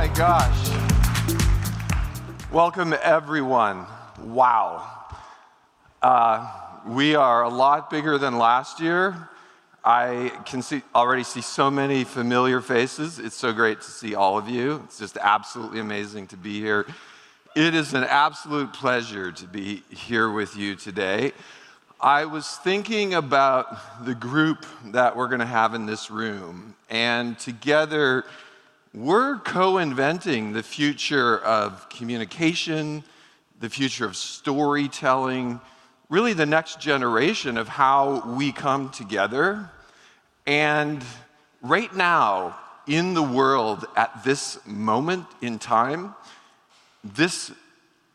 My gosh. Welcome, everyone. Wow. We are a lot bigger than last year. I can already see so many familiar faces. It's so great to see all of you. It's just absolutely amazing to be here. It is an absolute pleasure to be here with you today. I was thinking about the group that we're going to have in this room, and together we're co-inventing the future of communication, the future of storytelling, really the next generation of how we come together. Right now, in the world, at this moment in time, this,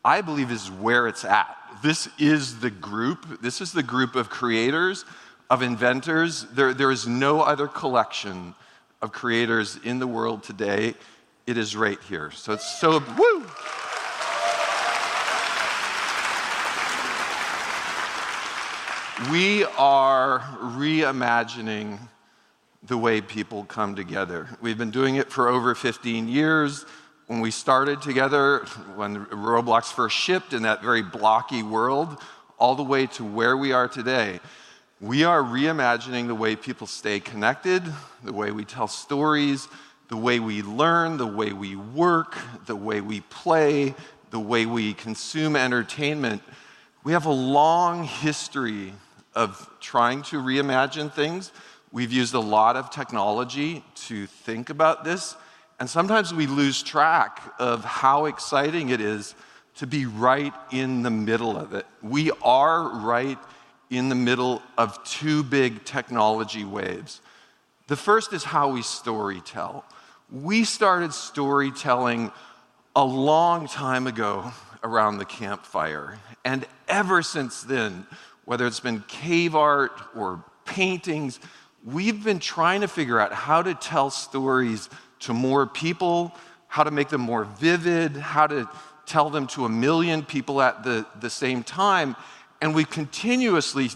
I believe, is where it's at. This is the group. This is the group of creators, of inventors. There is no other collection of creators in the world today. It is right here. Woo. We are reimagining the way people come together. We've been doing it for over 15 years. When we started together, when Roblox first shipped in that very blocky world, all the way to where we are today, we are reimagining the way people stay connected, the way we tell stories, the way we learn, the way we work, the way we play, the way we consume entertainment. We have a long history of trying to reimagine things. We've used a lot of technology to think about this, and sometimes we lose track of how exciting it is to be right in the middle of it. We are right in the middle of two big technology waves. The first is how we storytell. We started storytelling a long time ago around the campfire, and ever since then, whether it's been cave art or paintings, we've been trying to figure out how to tell stories to more people, how to make them more vivid, how to tell them to a million people at the same time. We have continuously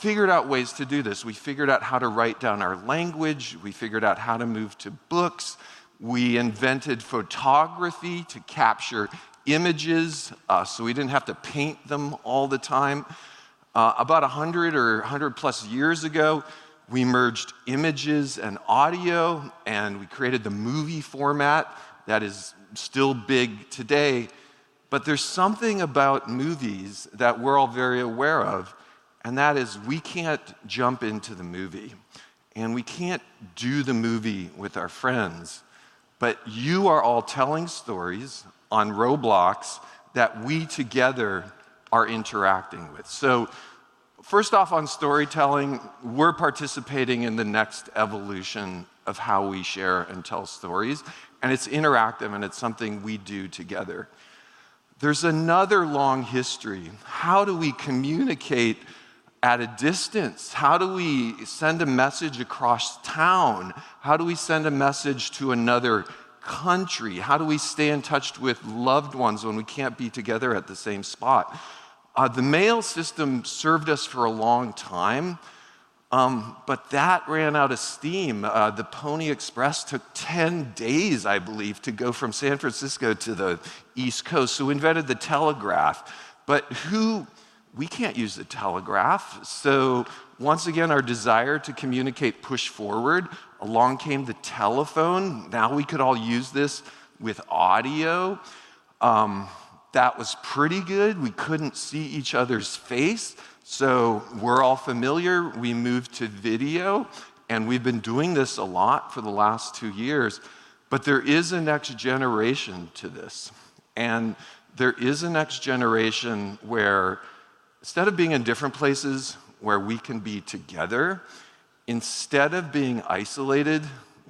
figured out ways to do this. We figured out how to write down our language. We figured out how to move to books. We invented photography to capture images so we did not have to paint them all the time. About 100 or 100+ years ago, we merged images and audio, and we created the movie format that is still big today. There is something about movies that we are all very aware of, and that is we cannot jump into the movie, and we cannot do the movie with our friends. You are all telling stories on Roblox that we together are interacting with. First off, on storytelling, we're participating in the next evolution of how we share and tell stories, and it's interactive, and it's something we do together. There's another long history. How do we communicate at a distance? How do we send a message across town? How do we send a message to another country? How do we stay in touch with loved ones when we can't be together at the same spot? The mail system served us for a long time, but that ran out of steam. The Pony Express took 10 days, I believe, to go from San Francisco to the East Coast. We invented the telegraph. We can't use the telegraph. Once again, our desire to communicate pushed forward. Along came the telephone. Now we could all use this with audio. That was pretty good. We could not see each other's face, so we are all familiar. We moved to video, and we have been doing this a lot for the last two years. There is a next generation to this, and there is a next generation where instead of being in different places where we can be together, instead of being isolated,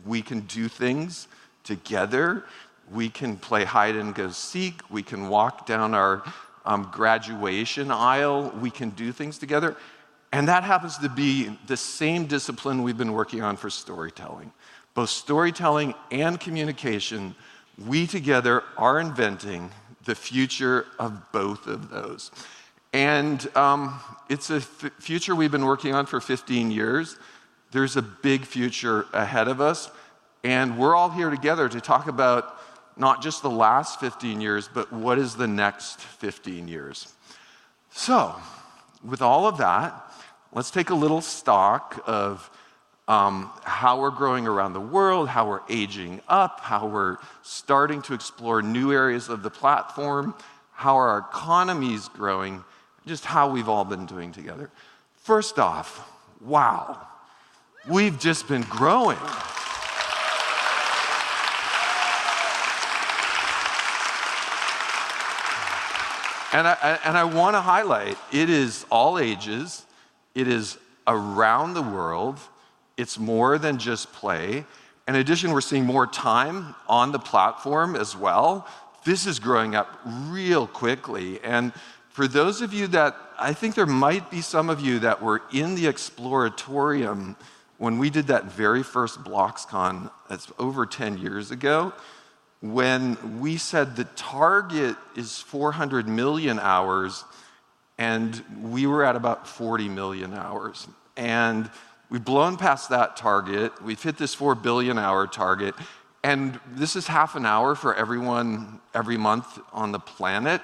we can do things together. We can play hide and go seek. We can walk down our graduation aisle. We can do things together. That happens to be the same discipline we have been working on for storytelling. Both storytelling and communication, we together are inventing the future of both of those. It is a future we have been working on for 15 years. There's a big future ahead of us, and we're all here together to talk about not just the last 15 years, but what is the next 15 years. With all of that, let's take a little stock of how we're growing around the world, how we're aging up, how we're starting to explore new areas of the platform, how our economy's growing, just how we've all been doing together. First off, wow, we've just been growing. I want to highlight it is all ages. It is around the world. It's more than just play. In addition, we're seeing more time on the platform as well. This is growing up real quickly. For those of you that I think there might be some of you that were in the Exploratorium when we did that very first BLOXcon over 10 years ago, when we said the target is 400 million hours, and we were at about 40 million hours. We have blown past that target. We have hit this 4 billion hour target. This is half an hour for everyone every month on the planet.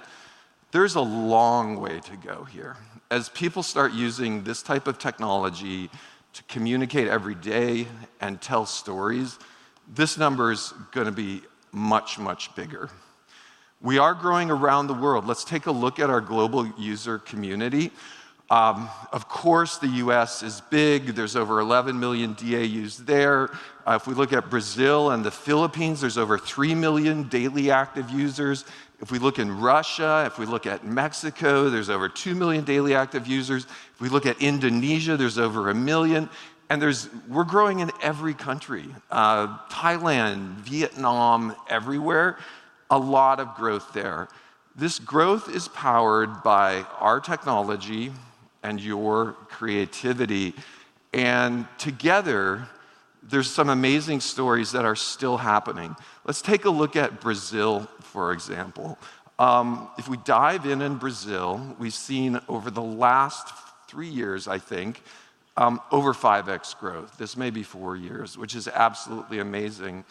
There is a long way to go here. As people start using this type of technology to communicate every day and tell stories, this number is going to be much, much bigger. We are growing around the world. Let's take a look at our global user community. Of course, the U.S. is big. There are over 11 million DAUs there. If we look at Brazil and the Philippines, there are over 3 million daily active users. If we look in Russia, if we look at Mexico, there's over 2 million daily active users. If we look at Indonesia, there's over 1 million. We are growing in every country: Thailand, Vietnam, everywhere. A lot of growth there. This growth is powered by our technology and your creativity. Together, there's some amazing stories that are still happening. Let's take a look at Brazil, for example. If we dive in in Brazil, we've seen over the last three years, I think, over 5x growth. This may be four years, which is absolutely amazing.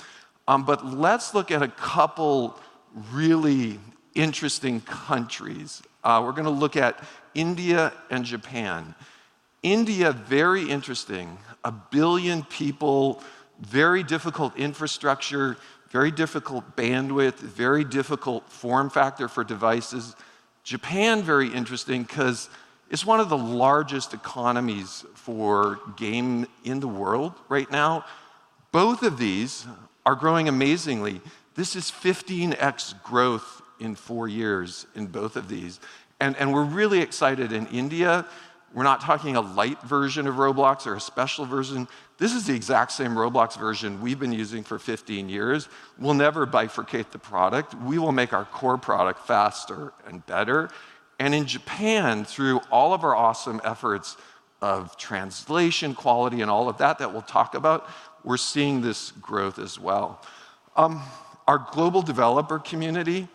Let's look at a couple really interesting countries. We're going to look at India and Japan. India, very interesting. A billion people, very difficult infrastructure, very difficult bandwidth, very difficult form factor for devices. Japan, very interesting because it's one of the largest economies for game in the world right now. Both of these are growing amazingly. This is 15x growth in four years in both of these. We are really excited in India. We are not talking a light version of Roblox or a special version. This is the exact same Roblox version we have been using for 15 years. We will never bifurcate the product. We will make our core product faster and better. In Japan, through all of our awesome efforts of translation quality and all of that that we will talk about, we are seeing this growth as well. Our global developer community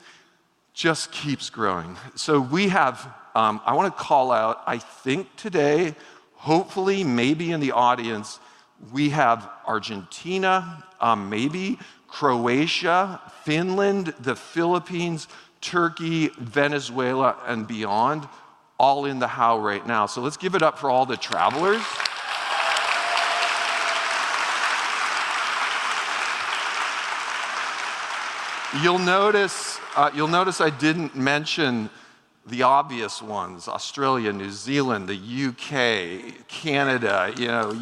just keeps growing. We have, I want to call out, I think today, hopefully, maybe in the audience, we have Argentina, maybe Croatia, Finland, the Philippines, Turkey, Venezuela, and beyond, all in the how right now. Let us give it up for all the travelers. You'll notice I didn't mention the obvious ones: Australia, New Zealand, the U.K., Canada,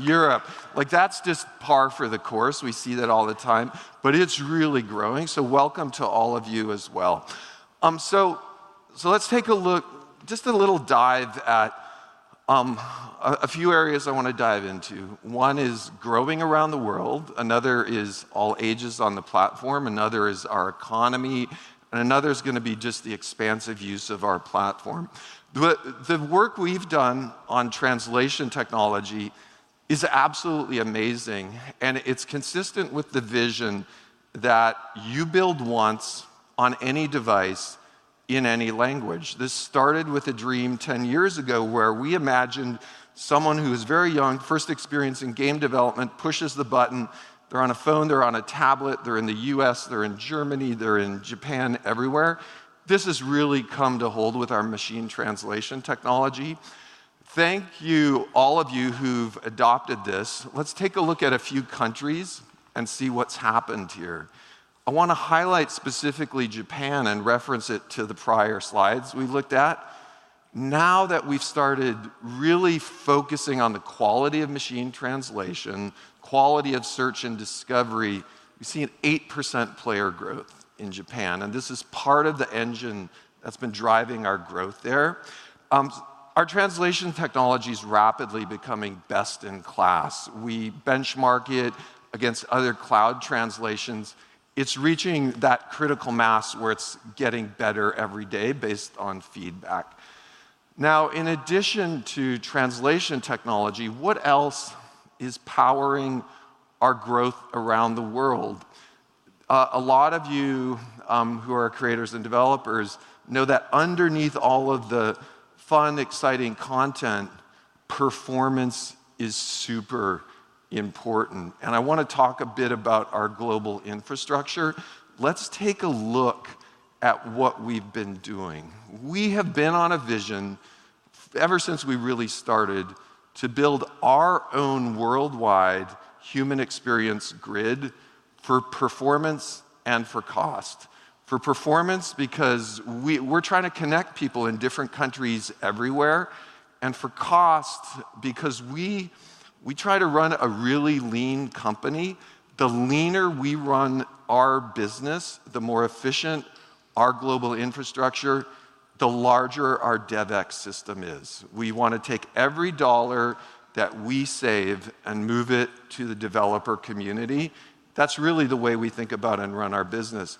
Europe. That's just par for the course. We see that all the time. It's really growing. Welcome to all of you as well. Let's take a look, just a little dive at a few areas I want to dive into. One is growing around the world. Another is all ages on the platform. Another is our economy. Another is going to be just the expansive use of our platform. The work we've done on translation technology is absolutely amazing, and it's consistent with the vision that you build once on any device in any language. This started with a dream 10 years ago where we imagined someone who is very young, first experiencing game development, pushes the button. They're on a phone. They're on a tablet. They're in the U.S. They're in Germany. They're in Japan, everywhere. This has really come to hold with our machine translation technology. Thank you, all of you who've adopted this. Let's take a look at a few countries and see what's happened here. I want to highlight specifically Japan and reference it to the prior slides we looked at. Now that we've started really focusing on the quality of machine translation, quality of search and discovery, we've seen 8% player growth in Japan. This is part of the engine that's been driving our growth there. Our translation technology is rapidly becoming best in class. We benchmark it against other cloud translations. It's reaching that critical mass where it's getting better every day based on feedback. Now, in addition to translation technology, what else is powering our growth around the world? A lot of you who are creators and developers know that underneath all of the fun, exciting content, performance is super important. I want to talk a bit about our global infrastructure. Let's take a look at what we've been doing. We have been on a vision ever since we really started to build our own worldwide human experience grid for performance and for cost. For performance because we're trying to connect people in different countries everywhere, and for cost because we try to run a really lean company. The leaner we run our business, the more efficient our global infrastructure, the larger our DevEx system is. We want to take every dollar that we save and move it to the developer community. That's really the way we think about and run our business.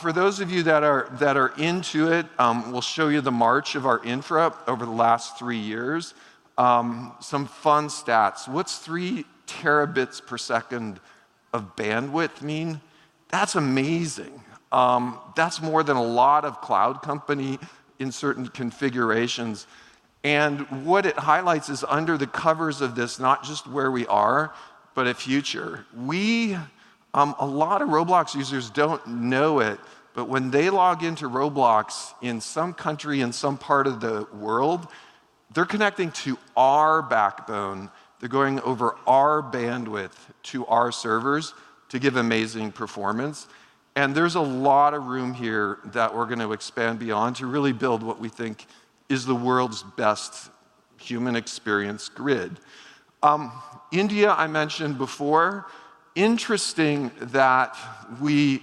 For those of you that are into it, we'll show you the march of our infra over the last three years. Some fun stats. What's 3 terabits per second of bandwidth mean? That's amazing. That's more than a lot of cloud company in certain configurations. What it highlights is under the covers of this, not just where we are, but a future. A lot of Roblox users don't know it, but when they log into Roblox in some country in some part of the world, they're connecting to our backbone. They're going over our bandwidth to our servers to give amazing performance. There's a lot of room here that we're going to expand beyond to really build what we think is the world's best human experience grid. India, I mentioned before. Interesting that we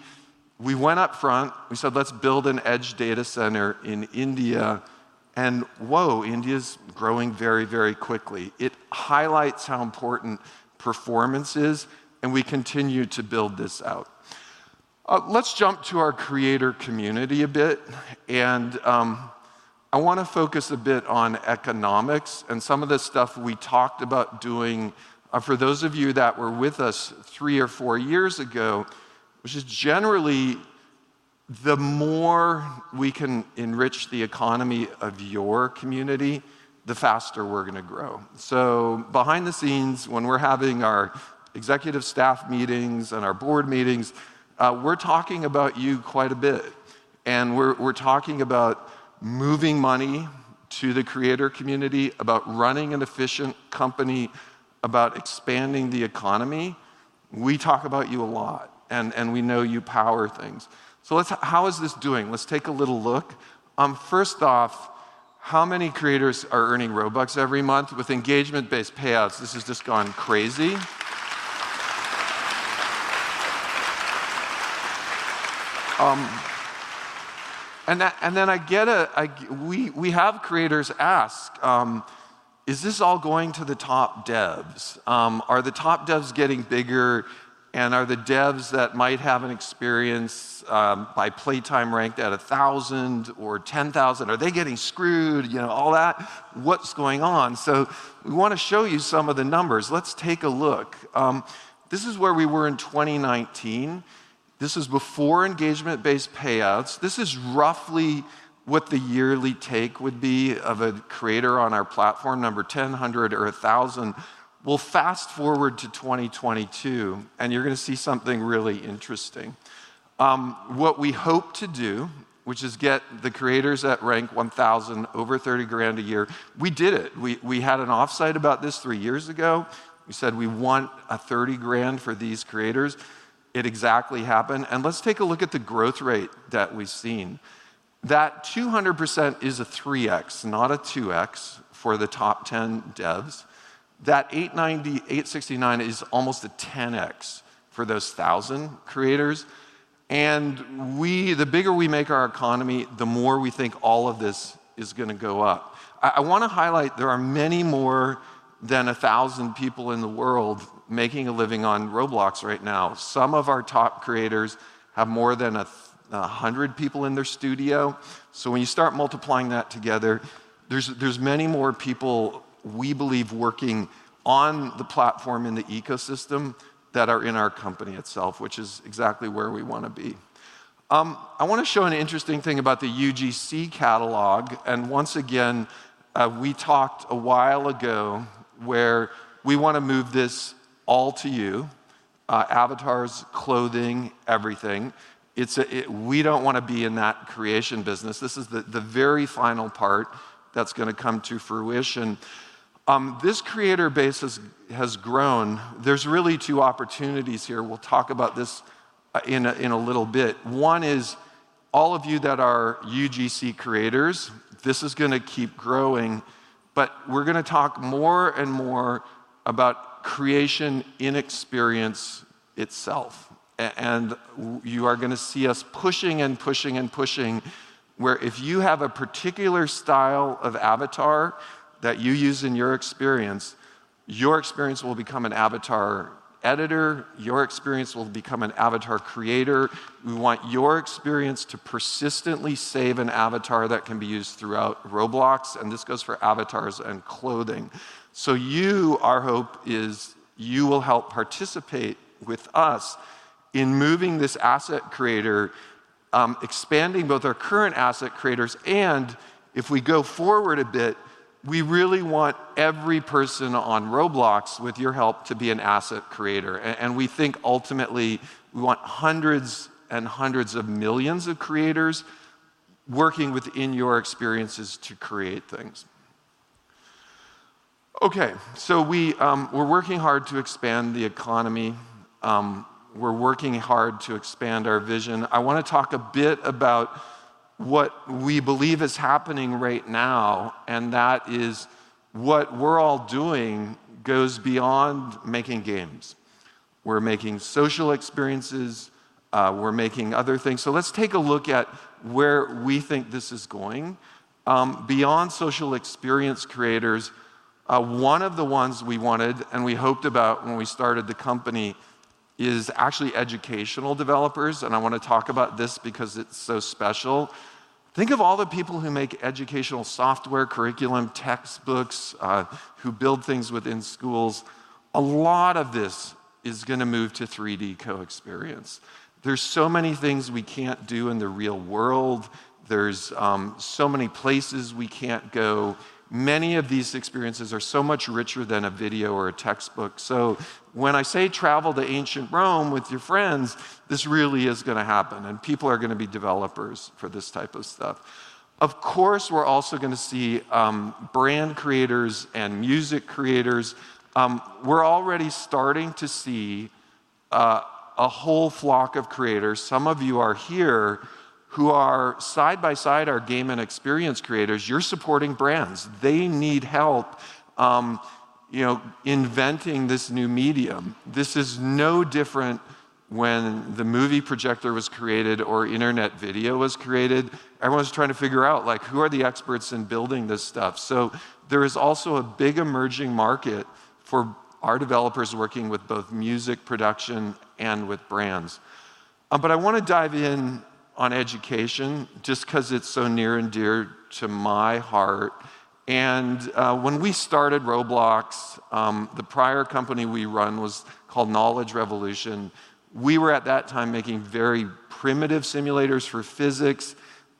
went up front. We said, "Let's build an edge data center in India." Whoa, India's growing very, very quickly. It highlights how important performance is, and we continue to build this out. Let's jump to our creator community a bit. I want to focus a bit on economics and some of the stuff we talked about doing. For those of you that were with us three or four years ago, which is generally the more we can enrich the economy of your community, the faster we're going to grow. Behind the scenes, when we're having our executive staff meetings and our board meetings, we're talking about you quite a bit. We're talking about moving money to the creator community, about running an efficient company, about expanding the economy. We talk about you a lot, and we know you power things. How is this doing? Let's take a little look. First off, how many creators are earning Robux every month with engagement-based payouts? This has just gone crazy. We have creators ask, "Is this all going to the top devs? Are the top devs getting bigger? Are the devs that might have an experience by playtime ranked at 1,000 or 10,000? Are they getting screwed?" All that. What's going on? We want to show you some of the numbers. Let's take a look. This is where we were in 2019. This is before engagement-based payouts. This is roughly what the yearly take would be of a creator on our platform, number 10, 100, or 1,000. We'll fast forward to 2022, and you're going to see something really interesting. What we hope to do, which is get the creators at rank 1,000 over $30,000 a year, we did it. We had an offsite about this three years ago. We said, "We want a $30,000 for these creators." It exactly happened. Let's take a look at the growth rate that we've seen. That 200% is a 3x, not a 2x for the top 10 devs. That 869 is almost a 10x for those 1,000 creators. The bigger we make our economy, the more we think all of this is going to go up. I want to highlight there are many more than 1,000 people in the world making a living on Roblox right now. Some of our top creators have more than 100 people in their studio. When you start multiplying that together, there are many more people we believe working on the platform in the ecosystem than are in our company itself, which is exactly where we want to be. I want to show an interesting thing about the UGC catalog. Once again, we talked a while ago where we want to move this all to you: avatars, clothing, everything. We do not want to be in that creation business. This is the very final part that is going to come to fruition. This creator base has grown. There are really two opportunities here. We will talk about this in a little bit. One is all of you that are UGC creators. This is going to keep growing. We are going to talk more and more about creation in experience itself. You are going to see us pushing and pushing and pushing where if you have a particular style of avatar that you use in your experience, your experience will become an avatar editor. Your experience will become an avatar creator. We want your experience to persistently save an avatar that can be used throughout Roblox. This goes for avatars and clothing. Our hope is you will help participate with us in moving this asset creator, expanding both our current asset creators. If we go forward a bit, we really want every person on Roblox, with your help, to be an asset creator. We think ultimately we want hundreds and hundreds of millions of creators working within your experiences to create things. We are working hard to expand the economy. We are working hard to expand our vision. I want to talk a bit about what we believe is happening right now. What we are all doing goes beyond making games. We are making social experiences. We are making other things. Let us take a look at where we think this is going. Beyond social experience creators, one of the ones we wanted and we hoped about when we started the company is actually educational developers. I want to talk about this because it is so special. Think of all the people who make educational software, curriculum, textbooks, who build things within schools. A lot of this is going to move to 3D co-experience. There are so many things we cannot do in the real world. There are so many places we cannot go. Many of these experiences are so much richer than a video or a textbook. When I say travel to ancient Rome with your friends, this really is going to happen. People are going to be developers for this type of stuff. Of course, we are also going to see brand creators and music creators. We are already starting to see a whole flock of creators. Some of you are here who are side by side our game and experience creators. You're supporting brands. They need help inventing this new medium. This is no different when the movie projector was created or internet video was created. Everyone's trying to figure out who are the experts in building this stuff. There is also a big emerging market for our developers working with both music production and with brands. I want to dive in on education just because it's so near and dear to my heart. When we started Roblox, the prior company we ran was called Knowledge Revolution. We were at that time making very primitive simulators for physics.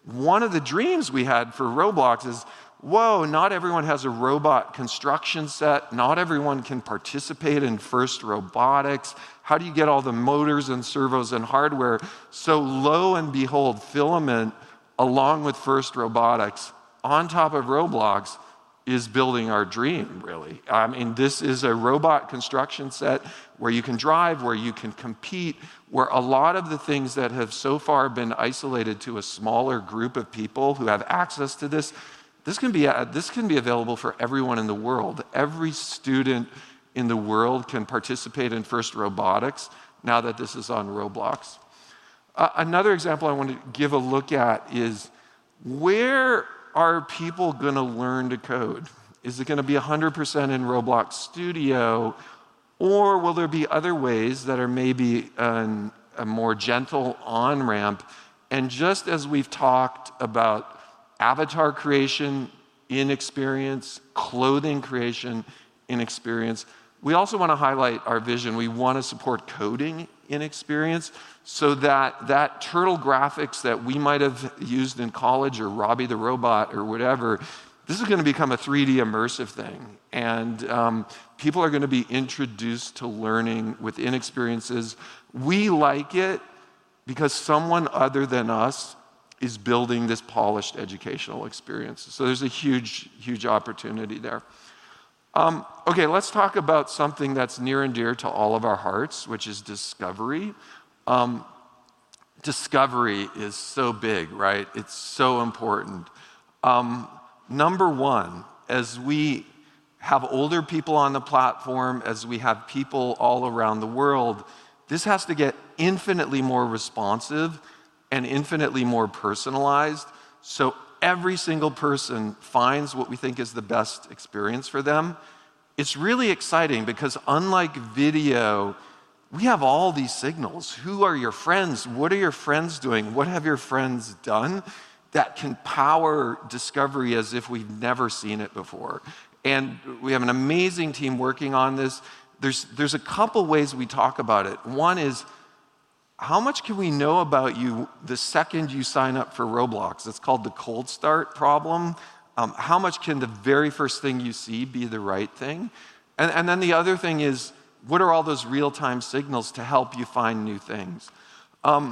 One of the dreams we had for Roblox is, "Whoa, not everyone has a robot construction set. Not everyone can participate in first robotics. How do you get all the motors and servos and hardware? Lo and behold, Filament Games along with FIRST Robotics on top of Roblox is building our dream, really. I mean, this is a robot construction set where you can drive, where you can compete, where a lot of the things that have so far been isolated to a smaller group of people who have access to this, this can be available for everyone in the world. Every student in the world can participate in FIRST Robotics now that this is on Roblox. Another example I want to give a look at is where are people going to learn to code? Is it going to be 100% in Roblox Studio, or will there be other ways that are maybe a more gentle on-ramp? Just as we've talked about avatar creation in experience, clothing creation in experience, we also want to highlight our vision. We want to support coding in experience so that that Turtle graphics that we might have used in college or Robby the Robot or whatever, this is going to become a 3D immersive thing. People are going to be introduced to learning within experiences. We like it because someone other than us is building this polished educational experience. There's a huge, huge opportunity there. Okay. Let's talk about something that's near and dear to all of our hearts, which is Discovery. Discovery is so big, right? It's so important. Number one, as we have older people on the platform, as we have people all around the world, this has to get infinitely more responsive and infinitely more personalized so every single person finds what we think is the best experience for them. It is really exciting because unlike video, we have all these signals. Who are your friends? What are your friends doing? What have your friends done that can power discovery as if we have never seen it before? We have an amazing team working on this. There are a couple of ways we talk about it. One is, how much can we know about you the second you sign up for Roblox? It is called the cold start problem. How much can the very first thing you see be the right thing? The other thing is, what are all those real-time signals to help you find new things? I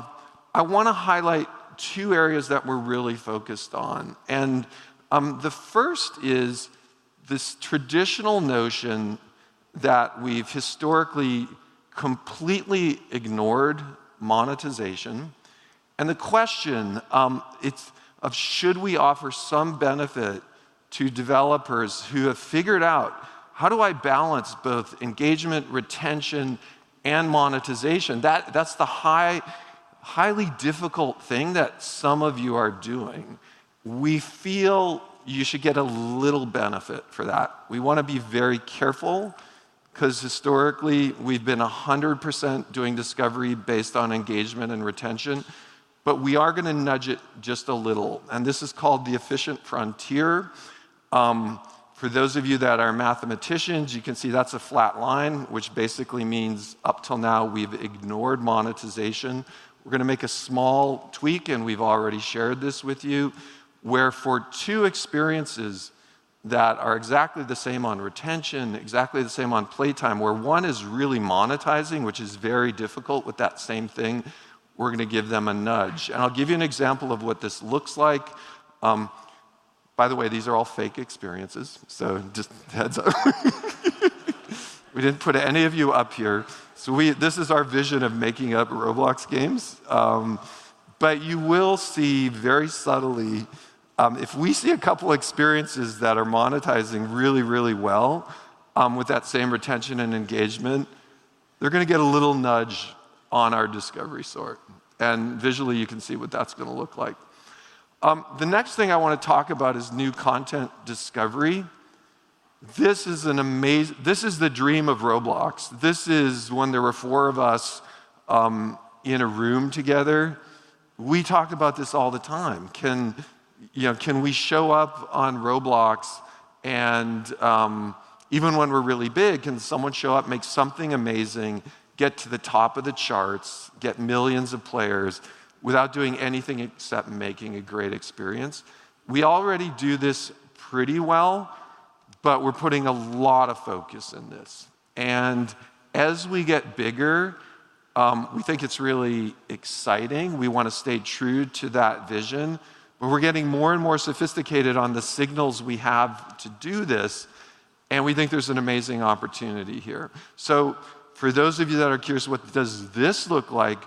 want to highlight two areas that we're really focused on. The first is this traditional notion that we've historically completely ignored: monetization. The question of should we offer some benefit to developers who have figured out, "How do I balance both engagement, retention, and monetization?" That's the highly difficult thing that some of you are doing. We feel you should get a little benefit for that. We want to be very careful because historically, we've been 100% doing discovery based on engagement and retention. We are going to nudge it just a little. This is called the efficient frontier. For those of you that are mathematicians, you can see that's a flat line, which basically means up till now we've ignored monetization. We're going to make a small tweak, and we've already shared this with you, where for two experiences that are exactly the same on retention, exactly the same on playtime, where one is really monetizing, which is very difficult with that same thing, we're going to give them a nudge. I'll give you an example of what this looks like. By the way, these are all fake experiences. Just heads up. We didn't put any of you up here. This is our vision of making up Roblox games. You will see very subtly, if we see a couple of experiences that are monetizing really, really well with that same retention and engagement, they're going to get a little nudge on our discovery sort. Visually, you can see what that's going to look like. The next thing I want to talk about is new content discovery. This is the dream of Roblox. This is when there were four of us in a room together. We talk about this all the time. Can we show up on Roblox? Even when we're really big, can someone show up, make something amazing, get to the top of the charts, get millions of players without doing anything except making a great experience? We already do this pretty well, but we're putting a lot of focus in this. As we get bigger, we think it's really exciting. We want to stay true to that vision. We're getting more and more sophisticated on the signals we have to do this. We think there's an amazing opportunity here. For those of you that are curious, what does this look like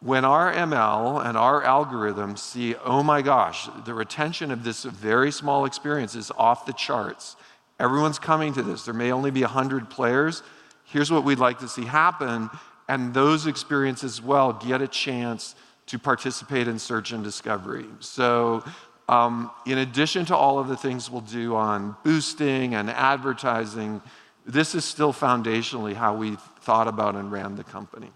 when our ML and our algorithms see, "Oh my gosh, the retention of this very small experience is off the charts. Everyone's coming to this. There may only be 100 players. Here's what we'd like to see happen." Those experiences as well get a chance to participate in search and discovery. In addition to all of the things we'll do on boosting and advertising, this is still foundationally how we thought about and ran the company.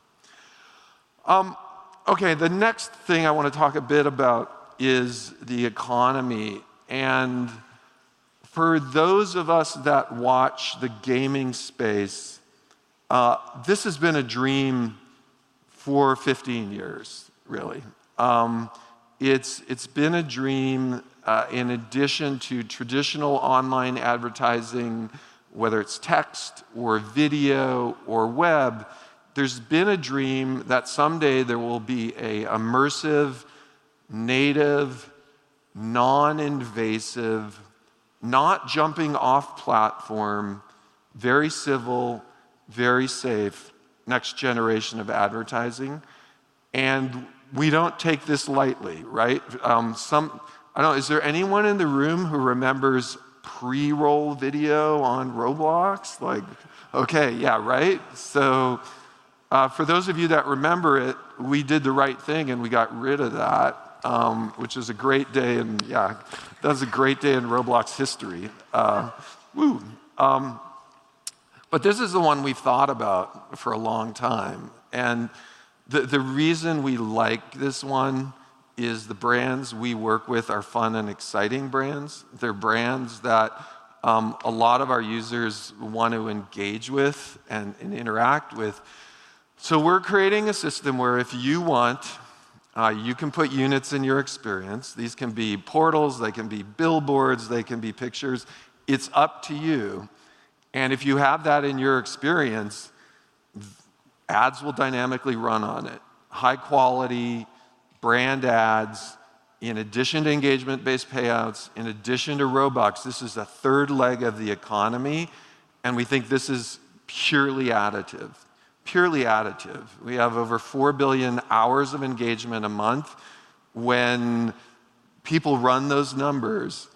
Okay. The next thing I want to talk a bit about is the economy. For those of us that watch the gaming space, this has been a dream for 15 years, really. It's been a dream in addition to traditional online advertising, whether it's text or video or web. There's been a dream that someday there will be an immersive, native, non-invasive, not jumping off platform, very civil, very safe next generation of advertising. We do not take this lightly, right? I do not know. Is there anyone in the room who remembers pre-roll video on Roblox? Okay. Yeah, right? For those of you that remember it, we did the right thing and we got rid of that, which is a great day in, yeah, that is a great day in Roblox history. Woo. This is the one we have thought about for a long time. The reason we like this one is the brands we work with are fun and exciting brands. They are brands that a lot of our users want to engage with and interact with. We are creating a system where if you want, you can put units in your experience. These can be portals. They can be billboards. They can be pictures. It's up to you. If you have that in your experience, ads will dynamically run on it. High-quality brand ads in addition to engagement-based payouts, in addition to Robux. This is a third leg of the economy. We think this is purely additive. Purely additive. We have over 4 billion hours of engagement a month. When people run those numbers,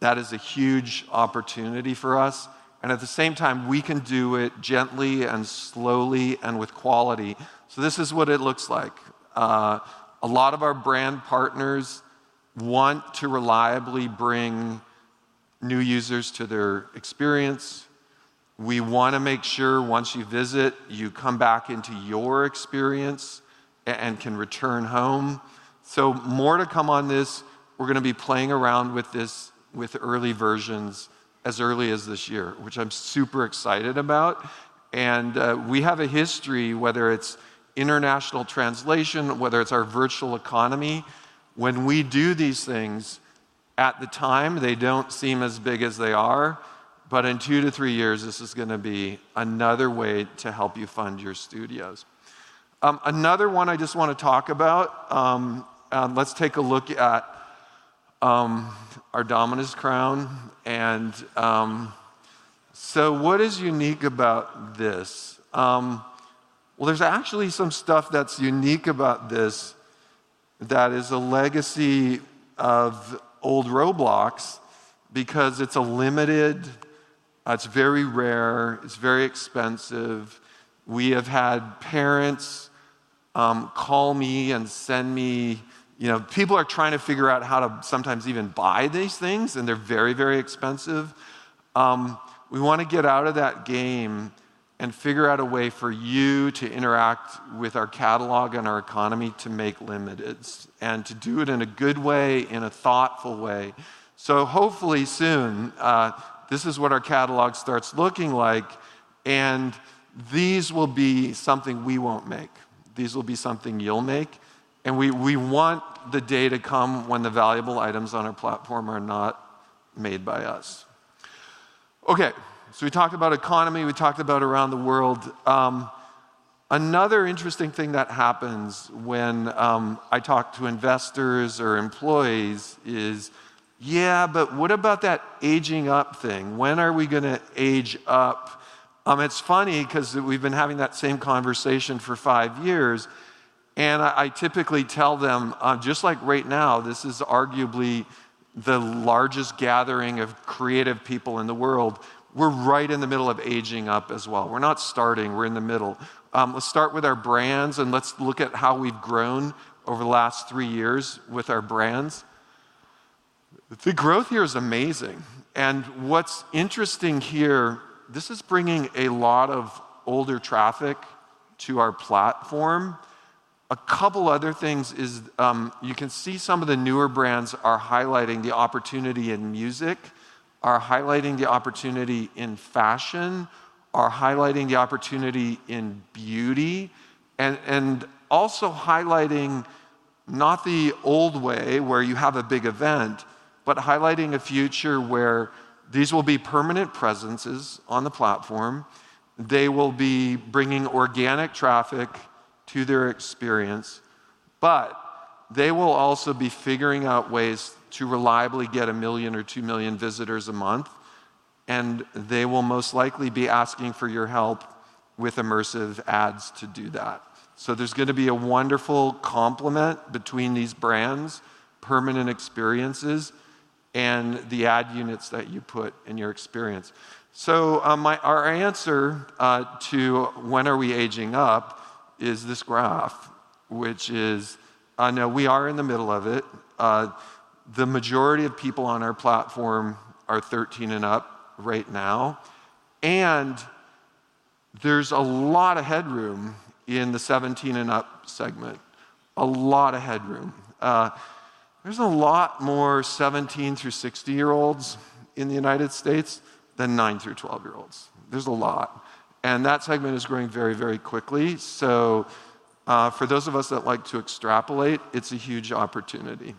that is a huge opportunity for us. At the same time, we can do it gently and slowly and with quality. This is what it looks like. A lot of our brand partners want to reliably bring new users to their experience. We want to make sure once you visit, you come back into your experience and can return home. More to come on this. We're going to be playing around with this with early versions as early as this year, which I'm super excited about. We have a history, whether it's international translation, whether it's our virtual economy. When we do these things, at the time, they don't seem as big as they are. In two to three years, this is going to be another way to help you fund your studios. Another one I just want to talk about. Let's take a look at our Domino Crown. What is unique about this? There's actually some stuff that's unique about this that is a legacy of old Roblox because it's limited. It's very rare. It's very expensive. We have had parents call me and send me. People are trying to figure out how to sometimes even buy these things, and they're very, very expensive. We want to get out of that game and figure out a way for you to interact with our catalog and our economy to make limiteds and to do it in a good way, in a thoughtful way. Hopefully soon, this is what our catalog starts looking like. These will be something we will not make. These will be something you will make. We want the day to come when the valuable items on our platform are not made by us. Okay. We talked about economy. We talked about around the world. Another interesting thing that happens when I talk to investors or employees is, "Yeah, but what about that aging up thing? When are we going to age up?" It's funny because we have been having that same conversation for five years. I typically tell them, just like right now, this is arguably the largest gathering of creative people in the world. We're right in the middle of aging up as well. We're not starting. We're in the middle. Let's start with our brands, and let's look at how we've grown over the last three years with our brands. The growth here is amazing. What's interesting here, this is bringing a lot of older traffic to our platform. A couple of other things is you can see some of the newer brands are highlighting the opportunity in music, are highlighting the opportunity in fashion, are highlighting the opportunity in beauty, and also highlighting not the old way where you have a big event, but highlighting a future where these will be permanent presences on the platform. They will be bringing organic traffic to their experience. They will also be figuring out ways to reliably get a million or two million visitors a month. They will most likely be asking for your help with immersive ads to do that. There is going to be a wonderful complement between these brands, permanent experiences, and the ad units that you put in your experience. Our answer to when are we aging up is this graph, which is, I know we are in the middle of it. The majority of people on our platform are 13 and up right now. There is a lot of headroom in the 17 and up segment. A lot of headroom. There are a lot more 17-60-year-olds in the U.S. than 9-12-year-olds. There is a lot. That segment is growing very, very quickly. For those of us that like to extrapolate, it is a huge opportunity.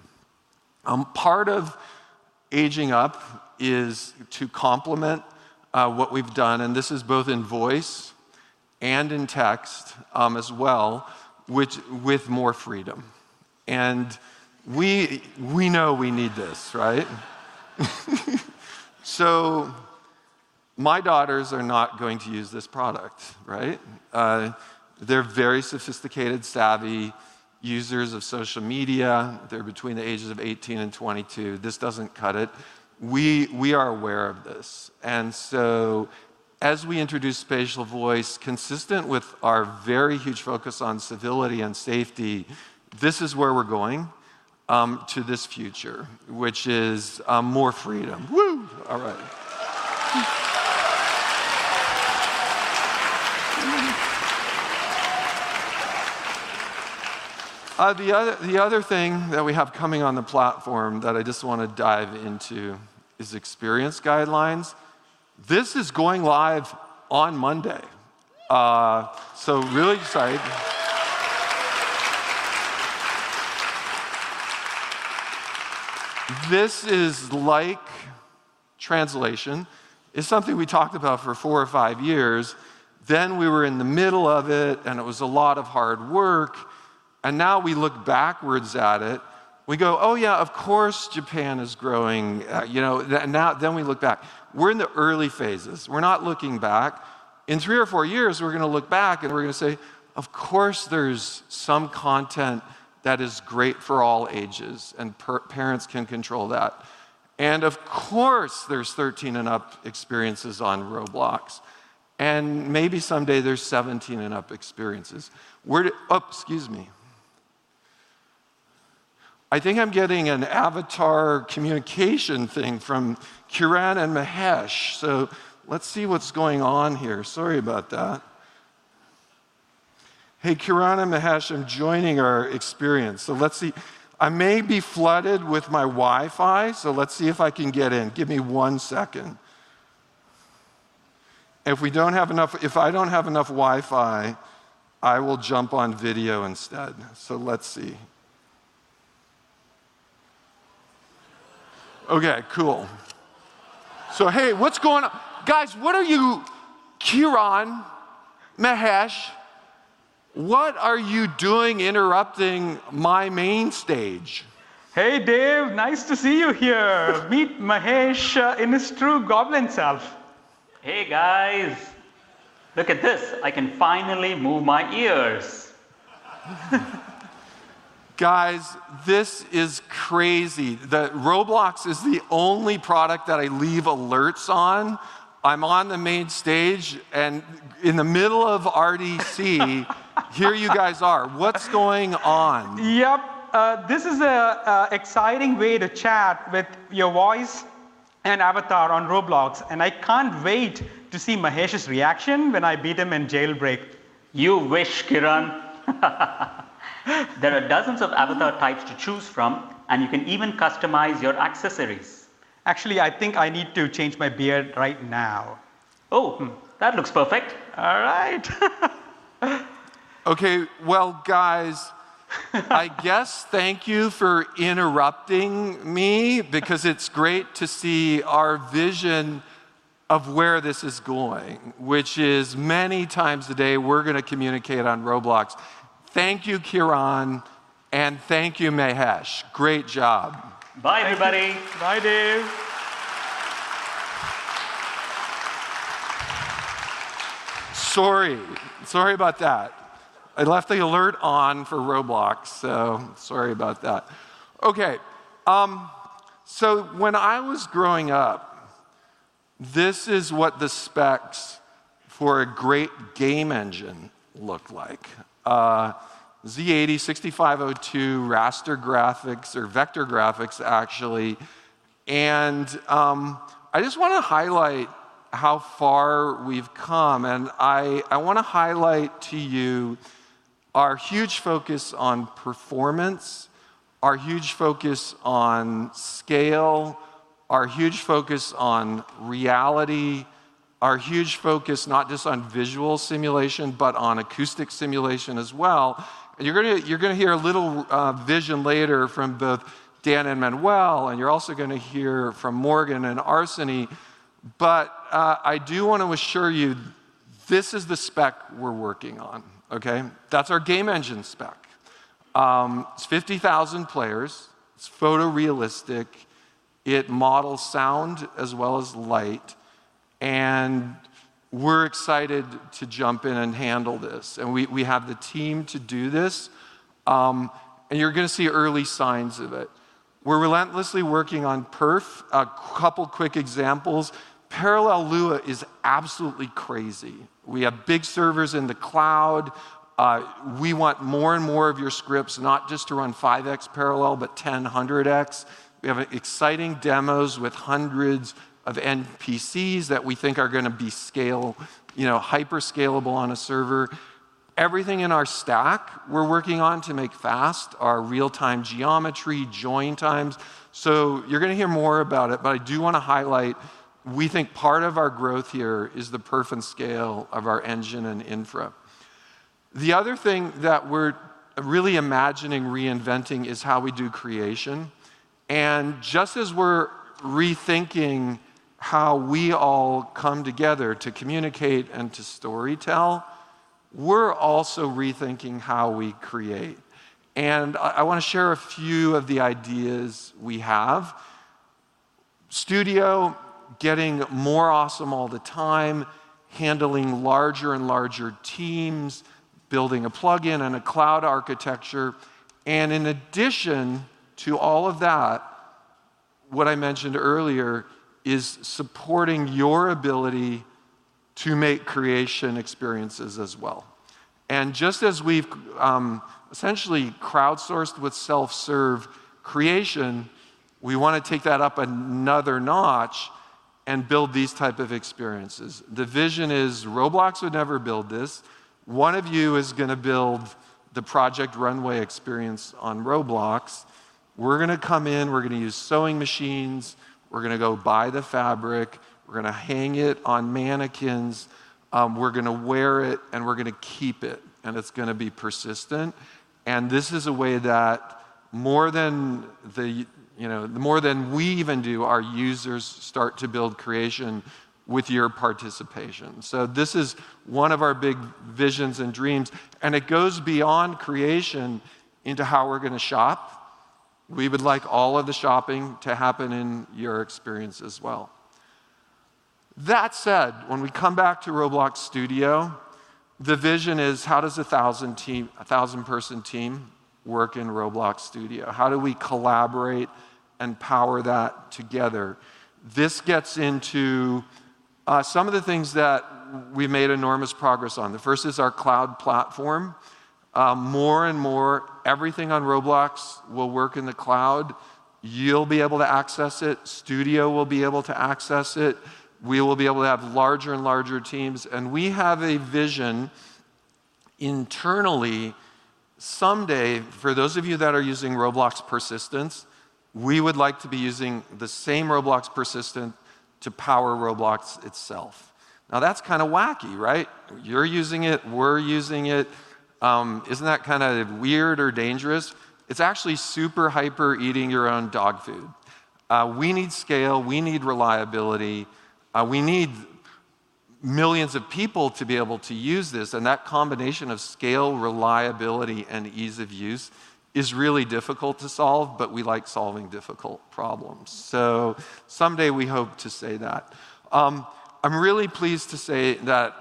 Part of aging up is to complement what we've done. This is both in voice and in text as well, with more freedom. We know we need this, right? My daughters are not going to use this product, right? They're very sophisticated, savvy users of social media. They're between the ages of 18 and 22. This doesn't cut it. We are aware of this. As we introduce spatial voice, consistent with our very huge focus on civility and safety, this is where we're going to this future, which is more freedom. Woo. All right. The other thing that we have coming on the platform that I just want to dive into is experience guidelines. This is going live on Monday. Really excited. This is like translation. It's something we talked about for four or five years. We were in the middle of it, and it was a lot of hard work. Now we look backwards at it. We go, "Oh yeah, of course, Japan is growing." We look back. We're in the early phases. We're not looking back. In three or four years, we're going to look back, and we're going to say, "Of course, there's some content that is great for all ages, and parents can control that." Of course, there's 13 and up experiences on Roblox. Maybe someday there's 17 and up experiences. Oh, excuse me. I think I'm getting an avatar communication thing from Kiran and Mahesh. Let's see what's going on here. Sorry about that. Hey, Kiran and Mahesh, I'm joining our experience. Let's see. I may be flooded with my Wi-Fi, so let's see if I can get in. Give me one second. If we do not have enough, if I do not have enough Wi-Fi, I will jump on video instead. Let's see. Okay. Cool. Hey, what's going on? Guys, what are you? Kiran, Mahesh, what are you doing interrupting my main stage? Hey, Dave, nice to see you here. Meet Mahesh in his true goblin self. Hey, guys. Look at this. I can finally move my ears. Guys, this is crazy. Roblox is the only product that I leave alerts on. I'm on the main stage and in the middle of RDC. Here you guys are. What's going on? Yep. This is an exciting way to chat with your voice and avatar on Roblox. I can't wait to see Mahesh's reaction when I beat him in Jailbreak. You wish, Kiran. There are dozens of avatar types to choose from, and you can even customize your accessories. Actually, I think I need to change my beard right now. Oh, that looks perfect. All right. Okay. Guys, I guess thank you for interrupting me because it's great to see our vision of where this is going, which is many times a day we're going to communicate on Roblox. Thank you, Kiran, and thank you, Mahesh. Great job. Bye, everybody. Bye, Dave. Sorry. Sorry about that. I left the alert on for Roblox, so sorry about that. Okay. When I was growing up, this is what the specs for a great game engine looked like: Z80, 6502, raster graphics or vector graphics, actually. I just want to highlight how far we've come. I want to highlight to you our huge focus on performance, our huge focus on scale, our huge focus on reality, our huge focus not just on visual simulation, but on acoustic simulation as well. You're going to hear a little vision later from both Dan and Manuel. You're also going to hear from Morgan and Arseny. I do want to assure you this is the spec we're working on, okay? That's our game engine spec. It's 50,000 players. It's photorealistic. It models sound as well as light. We're excited to jump in and handle this. We have the team to do this. You're going to see early signs of it. We're relentlessly working on perf. A couple of quick examples. Parallel Luau is absolutely crazy. We have big servers in the cloud. We want more and more of your scripts, not just to run 5x parallel, but 10x, 100x. We have exciting demos with hundreds of NPCs that we think are going to be hyperscalable on a server. Everything in our stack we're working on to make fast our real-time geometry, join times. You're going to hear more about it. I do want to highlight we think part of our growth here is the perf and scale of our engine and infra. The other thing that we're really imagining reinventing is how we do creation. Just as we are rethinking how we all come together to communicate and to storytell, we are also rethinking how we create. I want to share a few of the ideas we have: Studio getting more awesome all the time, handling larger and larger teams, building a plugin and a cloud architecture. In addition to all of that, what I mentioned earlier is supporting your ability to make creation experiences as well. Just as we have essentially crowdsourced with self-serve creation, we want to take that up another notch and build these types of experiences. The vision is Roblox would never build this. One of you is going to build the project runway experience on Roblox. We are going to come in. We are going to use sewing machines. We are going to go buy the fabric. We are going to hang it on mannequins. We're going to wear it, and we're going to keep it. It's going to be persistent. This is a way that more than we even do, our users start to build creation with your participation. This is one of our big visions and dreams. It goes beyond creation into how we're going to shop. We would like all of the shopping to happen in your experience as well. That said, when we come back to Roblox Studio, the vision is how does a 1,000-person team work in Roblox Studio? How do we collaborate and power that together? This gets into some of the things that we've made enormous progress on. The first is our cloud platform. More and more, everything on Roblox will work in the cloud. You'll be able to access it. Studio will be able to access it. We will be able to have larger and larger teams. We have a vision internally someday for those of you that are using Roblox Persistence, we would like to be using the same Roblox persistent to power Roblox itself. Now, that's kind of wacky, right? You're using it. We're using it. Isn't that kind of weird or dangerous? It's actually super hyper-eating your own dog food. We need scale. We need reliability. We need millions of people to be able to use this. That combination of scale, reliability, and ease of use is really difficult to solve, but we like solving difficult problems. Someday we hope to say that. I'm really pleased to say that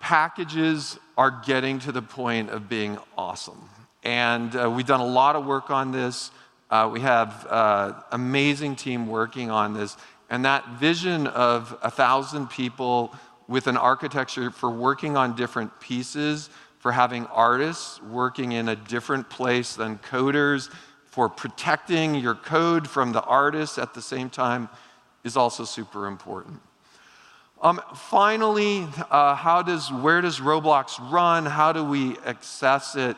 packages are getting to the point of being awesome. We've done a lot of work on this. We have an amazing team working on this. That vision of 1,000 people with an architecture for working on different pieces, for having artists working in a different place than coders, for protecting your code from the artists at the same time is also super important. Finally, where does Roblox run? How do we access it?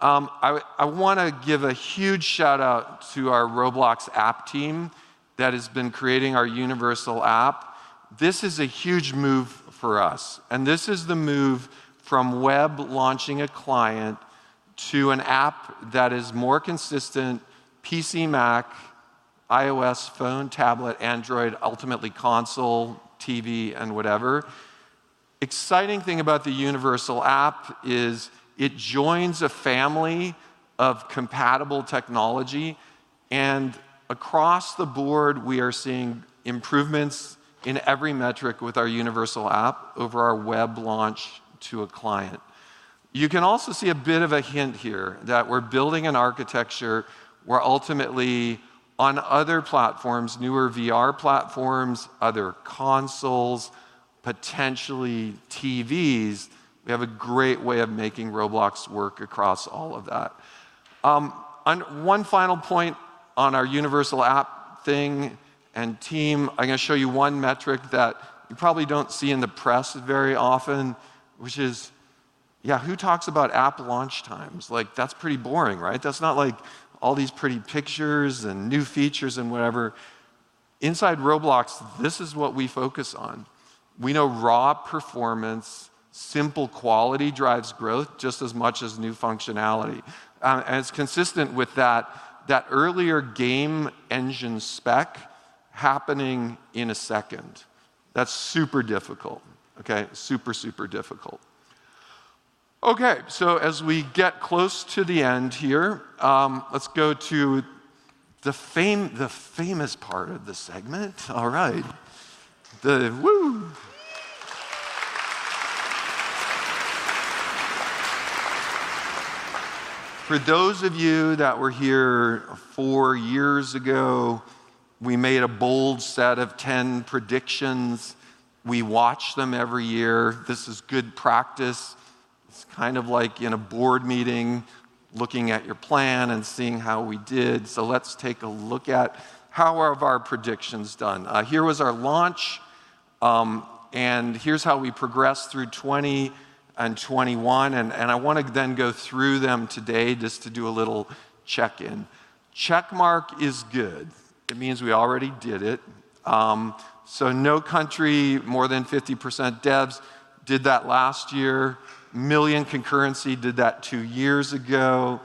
I want to give a huge shout-out to our Roblox app team that has been creating our universal app. This is a huge move for us. This is the move from web launching a client to an app that is more consistent: PC, Mac, iOS, phone, tablet, Android, ultimately console, TV, and whatever. The exciting thing about the universal app is it joins a family of compatible technology. Across the board, we are seeing improvements in every metric with our universal app over our web launch to a client. You can also see a bit of a hint here that we're building an architecture where ultimately on other platforms, newer VR platforms, other consoles, potentially TVs, we have a great way of making Roblox work across all of that. One final point on our universal app thing and team, I'm going to show you one metric that you probably don't see in the press very often, which is, yeah, who talks about app launch times? That's pretty boring, right? That's not like all these pretty pictures and new features and whatever. Inside Roblox, this is what we focus on. We know raw performance, simple quality drives growth just as much as new functionality. It is consistent with that earlier game engine spec happening in a second. That's super difficult, okay? Super, super difficult. Okay. As we get close to the end here, let's go to the famous part of the segment. All right. Woo. For those of you that were here four years ago, we made a bold set of 10 predictions. We watch them every year. This is good practice. It's kind of like in a board meeting, looking at your plan and seeing how we did. Let's take a look at how our predictions have done. Here was our launch. Here is how we progressed through 2020 and 2021. I want to then go through them today just to do a little check-in. Checkmark is good. It means we already did it. No country more than 50% devs did that last year. Million concurrency did that two years ago.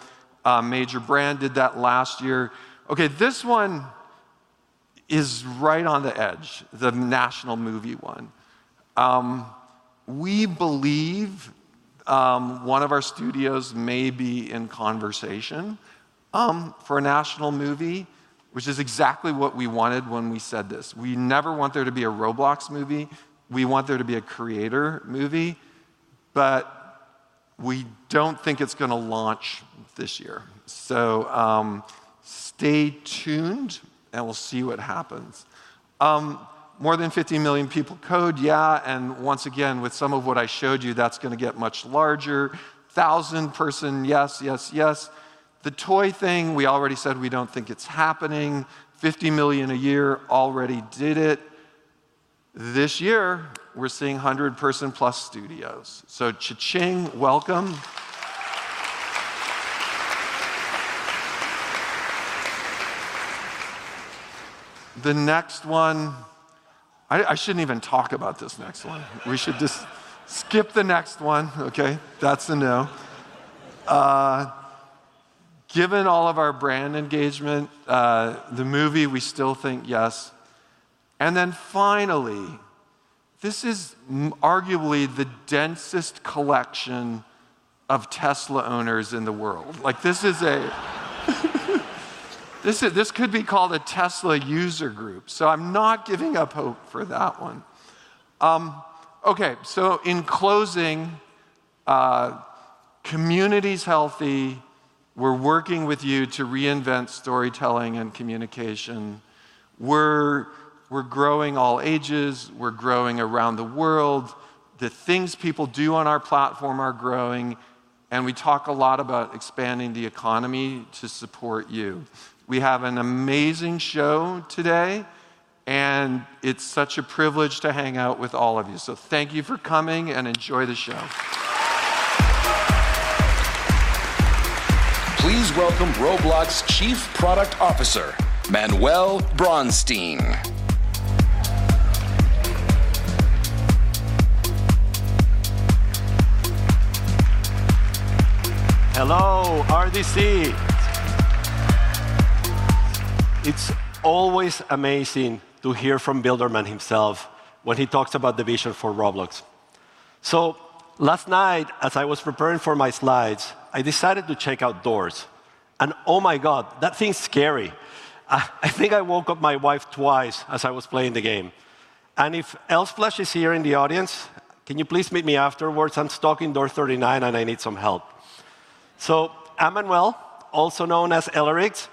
Major brand did that last year. This one is right on the edge, the national movie one. We believe one of our studios may be in conversation for a national movie, which is exactly what we wanted when we said this. We never want there to be a Roblox movie. We want there to be a creator movie. We do not think it is going to launch this year. Stay tuned, and we will see what happens. More than 50 million people code, yeah. Once again, with some of what I showed you, that is going to get much larger. 1,000-person, yes, yes, yes. The toy thing, we already said we do not think it is happening. 50 million a year already did it. This year, we are seeing 100-person plus studios. Cha-ching, welcome. The next one, I should not even talk about this next one. We should just skip the next one, okay? That is a no. Given all of our brand engagement, the movie, we still think yes. Then finally, this is arguably the densest collection of Tesla owners in the world. This could be called a Tesla user group. I'm not giving up hope for that one. In closing, community's healthy. We're working with you to reinvent storytelling and communication. We're growing all ages. We're growing around the world. The things people do on our platform are growing. We talk a lot about expanding the economy to support you. We have an amazing show today. It's such a privilege to hang out with all of you. Thank you for coming, and enjoy the show. Please welcome Roblox Chief Product Officer, Manuel Bronstein. Hello, RDC. It's always amazing to hear from Builderman himself when he talks about the vision for Roblox. Last night, as I was preparing for my slides, I decided to check out DOORS. Oh my God, that thing's scary. I think I woke up my wife twice as I was playing the game. If LSPLASH is here in the audience, can you please meet me afterwards? I'm stuck in door 39, and I need some help. I'm Manuel, also known as Aelarix.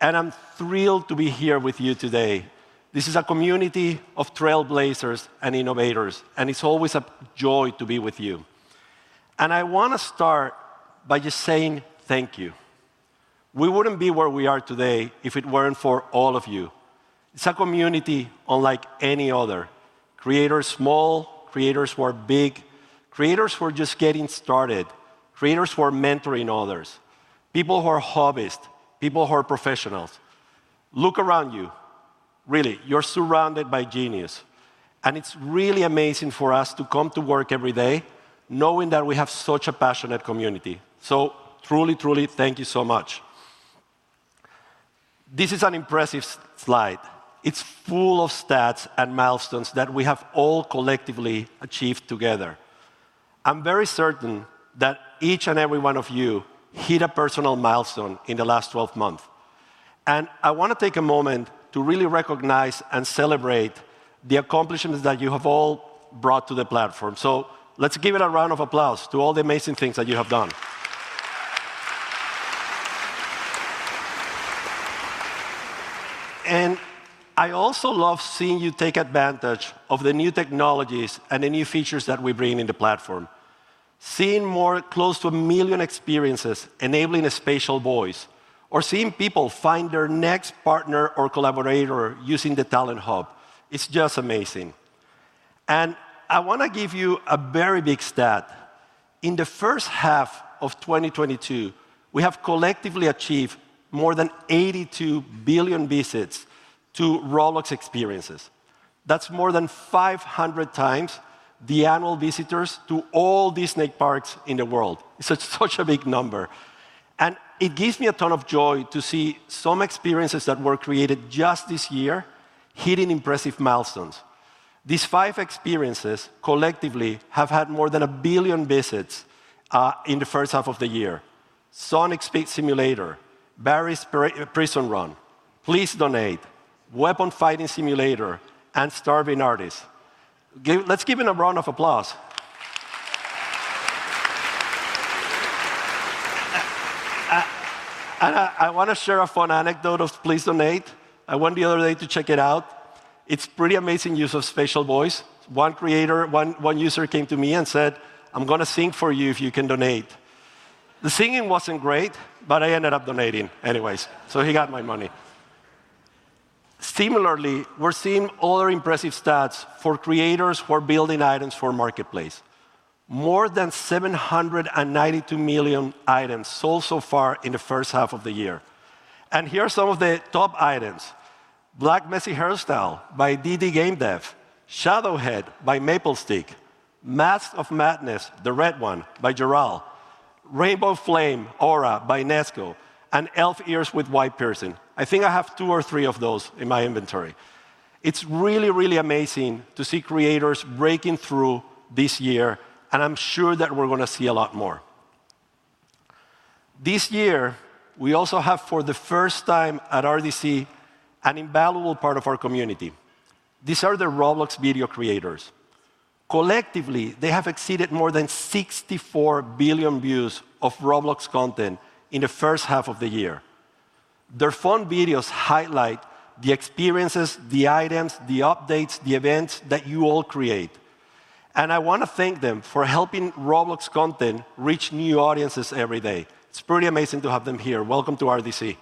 I'm thrilled to be here with you today. This is a community of trailblazers and innovators. It's always a joy to be with you. I want to start by just saying thank you. We wouldn't be where we are today if it weren't for all of you. It's a community unlike any other. Creators small, creators who are big, creators who are just getting started, creators who are mentoring others, people who are hobbyists, people who are professionals. Look around you. Really, you're surrounded by genius. It is really amazing for us to come to work every day knowing that we have such a passionate community. Truly, truly, thank you so much. This is an impressive slide. It is full of stats and milestones that we have all collectively achieved together. I am very certain that each and every one of you hit a personal milestone in the last 12 months. I want to take a moment to really recognize and celebrate the accomplishments that you have all brought to the platform. Let's give it a round of applause to all the amazing things that you have done. I also love seeing you take advantage of the new technologies and the new features that we bring in the platform. Seeing more close to a million experiences enabling spatial voice, or seeing people find their next partner or collaborator using the Talent Hub, it's just amazing. I want to give you a very big stat. In the first half of 2022, we have collectively achieved more than 82 billion visits to Roblox experiences. That is more than 500 times the annual visitors to all Disney parks in the world. It is such a big number. It gives me a ton of joy to see some experiences that were created just this year hitting impressive milestones. These five experiences collectively have had more than a billion visits in the first half of the year: Sonic Simulator, Barry's Prison Run, Please Donate, Weapon Fighting Simulator, and Starving Artist. Let's give it a round of applause. I want to share a fun anecdote of Please Donate. I went the other day to check it out. It's a pretty amazing use of spatial voice. One user came to me and said, "I'm going to sing for you if you can donate." The singing wasn't great, but I ended up donating anyways. He got my money. Similarly, we're seeing other impressive stats for creators who are building items for Marketplace. More than 792 million items sold so far in the first half of the year. Here are some of the top items: Black Messy Hairstyle by DD GameDev, Shadow Head by Maplestick, Mask of Madness, the Red One by Jor-El, Rainbow Flame Aura by Nezco, and Elf Ears with White Pearson. I think I have two or three of those in my inventory. It's really, really amazing to see creators breaking through this year. I'm sure that we're going to see a lot more. This year, we also have for the first time at RDC an invaluable part of our community. These are the Roblox video creators. Collectively, they have exceeded more than 64 billion views of Roblox content in the first half of the year. Their fun videos highlight the experiences, the items, the updates, the events that you all create. I want to thank them for helping Roblox content reach new audiences every day. It's pretty amazing to have them here. Welcome to RDC.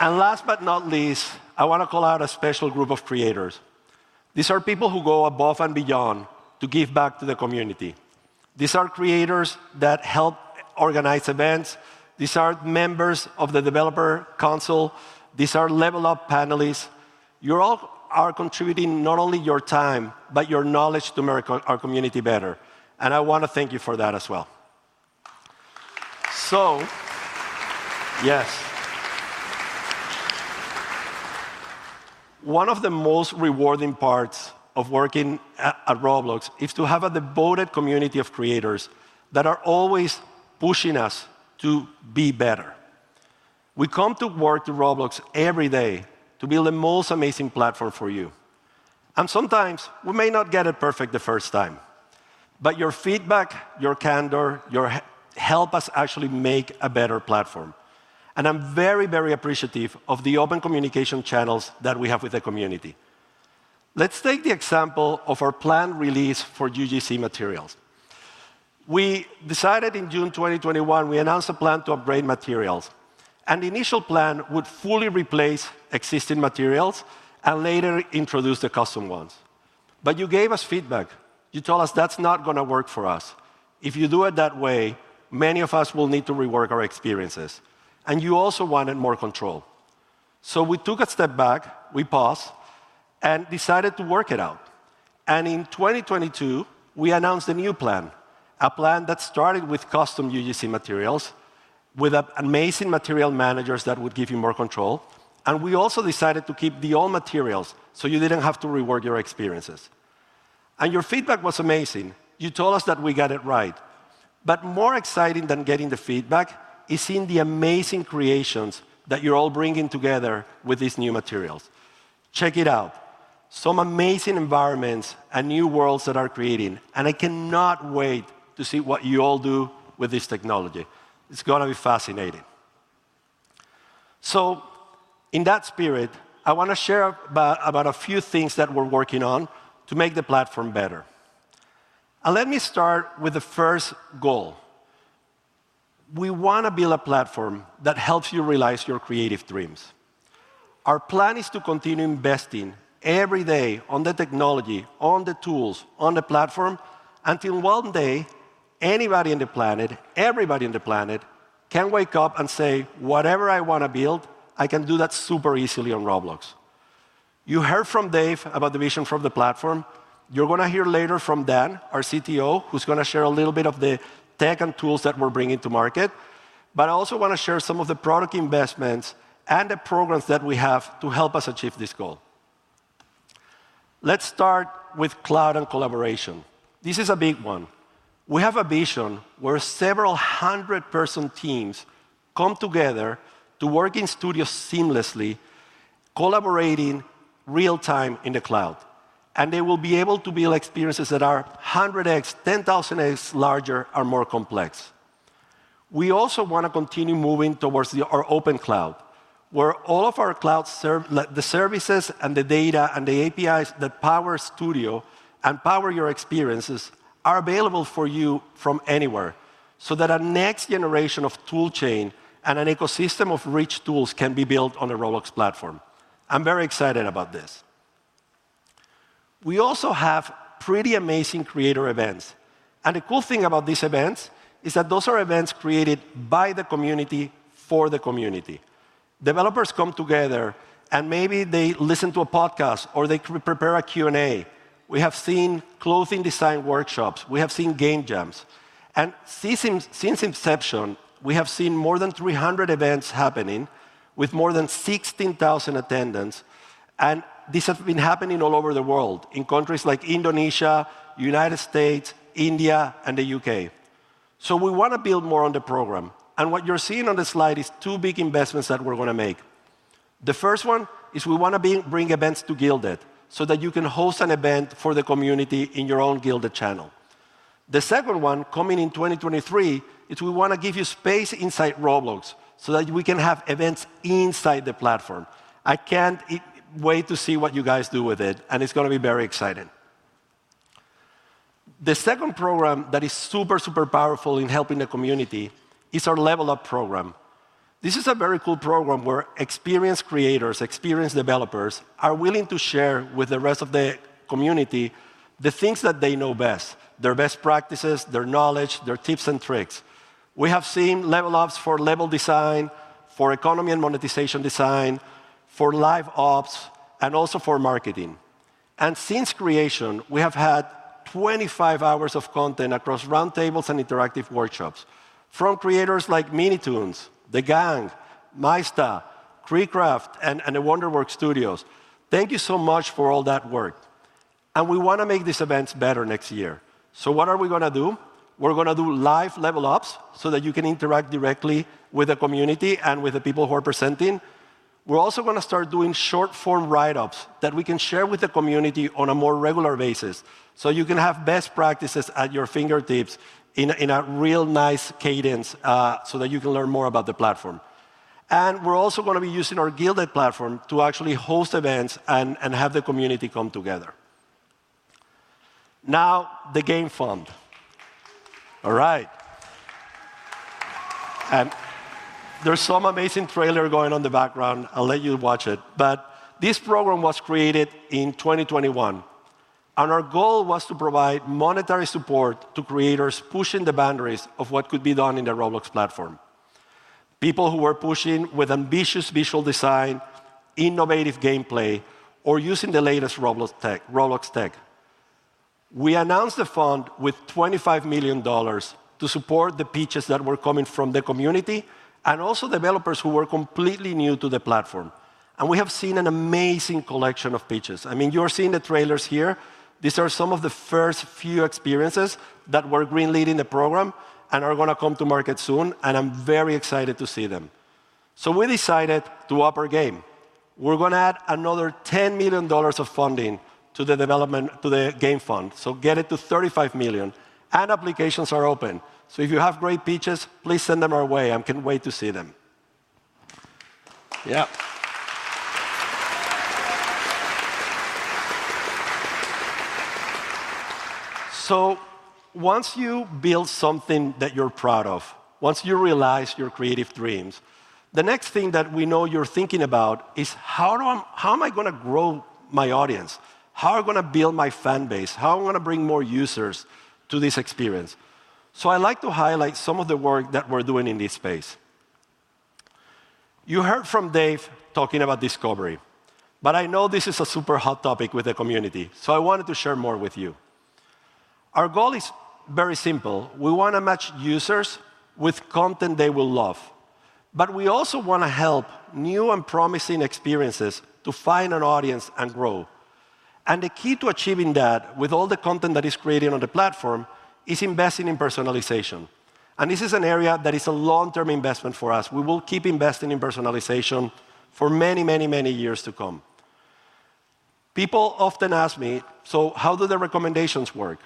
Last but not least, I want to call out a special group of creators. These are people who go above and beyond to give back to the community. These are creators that help organize events. These are members of the developer council. These are level-up panelists. You all are contributing not only your time, but your knowledge to make our community better. I want to thank you for that as well. Yes. One of the most rewarding parts of working at Roblox is to have a devoted community of creators that are always pushing us to be better. We come to work to Roblox every day to build the most amazing platform for you. Sometimes, we may not get it perfect the first time. Your feedback, your candor, your help us actually make a better platform. I am very, very appreciative of the open communication channels that we have with the community. Let's take the example of our planned release for UGC materials. We decided in June 2021, we announced a plan to upgrade materials. The initial plan would fully replace existing materials and later introduce the custom ones. You gave us feedback. You told us that's not going to work for us. If you do it that way, many of us will need to rework our experiences. You also wanted more control. We took a step back. We paused and decided to work it out. In 2022, we announced a new plan, a plan that started with custom UGC materials with amazing material managers that would give you more control. We also decided to keep the old materials so you did not have to rework your experiences. Your feedback was amazing. You told us that we got it right. More exciting than getting the feedback is seeing the amazing creations that you are all bringing together with these new materials. Check it out. Some amazing environments and new worlds that are creating. I cannot wait to see what you all do with this technology. It's going to be fascinating. In that spirit, I want to share about a few things that we're working on to make the platform better. Let me start with the first goal. We want to build a platform that helps you realize your creative dreams. Our plan is to continue investing every day on the technology, on the tools, on the platform, until one day anybody on the planet, everybody on the planet can wake up and say, "Whatever I want to build, I can do that super easily on Roblox." You heard from Dave about the vision for the platform. You're going to hear later from Dan, our CTO, who's going to share a little bit of the tech and tools that we're bringing to market. I also want to share some of the product investments and the programs that we have to help us achieve this goal. Let's start with cloud and collaboration. This is a big one. We have a vision where several hundred-person teams come together to work in studios seamlessly, collaborating real-time in the cloud. They will be able to build experiences that are 100x, 10,000x larger and more complex. We also want to continue moving towards our open cloud, where all of our cloud services and the data and the APIs that power Studio and power your experiences are available for you from anywhere so that a next generation of toolchain and an ecosystem of rich tools can be built on the Roblox platform. I'm very excited about this. We also have pretty amazing creator events. The cool thing about these events is that those are events created by the community for the community. Developers come together, and maybe they listen to a podcast, or they prepare a Q&A. We have seen clothing design workshops. We have seen game jams. Since inception, we have seen more than 300 events happening with more than 16,000 attendance. These have been happening all over the world in countries like Indonesia, the U.S., India, and the U.K. We want to build more on the program. What you're seeing on the slide is two big investments that we're going to make. The first one is we want to bring events to Guilded so that you can host an event for the community in your own Guilded channel. The second one, coming in 2023, is we want to give you space inside Roblox so that we can have events inside the platform. I can't wait to see what you guys do with it. It's going to be very exciting. The second program that is super, super powerful in helping the community is our Level Up program. This is a very cool program where experienced creators, experienced developers are willing to share with the rest of the community the things that they know best: their best practices, their knowledge, their tips and tricks. We have seen Level Ups for level design, for economy and monetization design, for live ops, and also for marketing. Since creation, we have had 25 hours of content across roundtables and interactive workshops from creators like MiniToons, The Gang, mista, KreekCraft, and Wonder Works Studios. Thank you so much for all that work. We want to make these events better next year. What are we going to do? We are going to do live Level Ups so that you can interact directly with the community and with the people who are presenting. We are also going to start doing short-form write-ups that we can share with the community on a more regular basis so you can have best practices at your fingertips in a real nice cadence so that you can learn more about the platform. We're also going to be using our Guilded platform to actually host events and have the community come together. Now, the game fund. All right. There's some amazing trailer going on in the background. I'll let you watch it. This program was created in 2021. Our goal was to provide monetary support to creators pushing the boundaries of what could be done in the Roblox platform, people who were pushing with ambitious visual design, innovative gameplay, or using the latest Roblox tech. We announced the fund with $25 million to support the pitches that were coming from the community and also developers who were completely new to the platform. We have seen an amazing collection of pitches. I mean, you're seeing the trailers here. These are some of the first few experiences that were greenlit in the program and are going to come to market soon. I'm very excited to see them. We decided to up our game. We're going to add another $10 million of funding to the game fund to get it to $35 million. Applications are open. If you have great pitches, please send them our way. I can't wait to see them. Yeah. Once you build something that you're proud of, once you realize your creative dreams, the next thing that we know you're thinking about is, how am I going to grow my audience? How am I going to build my fan base? How am I going to bring more users to this experience? I'd like to highlight some of the work that we're doing in this space. You heard from Dave talking about Discovery. I know this is a super hot topic with the community. I wanted to share more with you. Our goal is very simple. We want to match users with content they will love. We also want to help new and promising experiences to find an audience and grow. The key to achieving that with all the content that is created on the platform is investing in personalization. This is an area that is a long-term investment for us. We will keep investing in personalization for many, many, many years to come. People often ask me, so how do the recommendations work?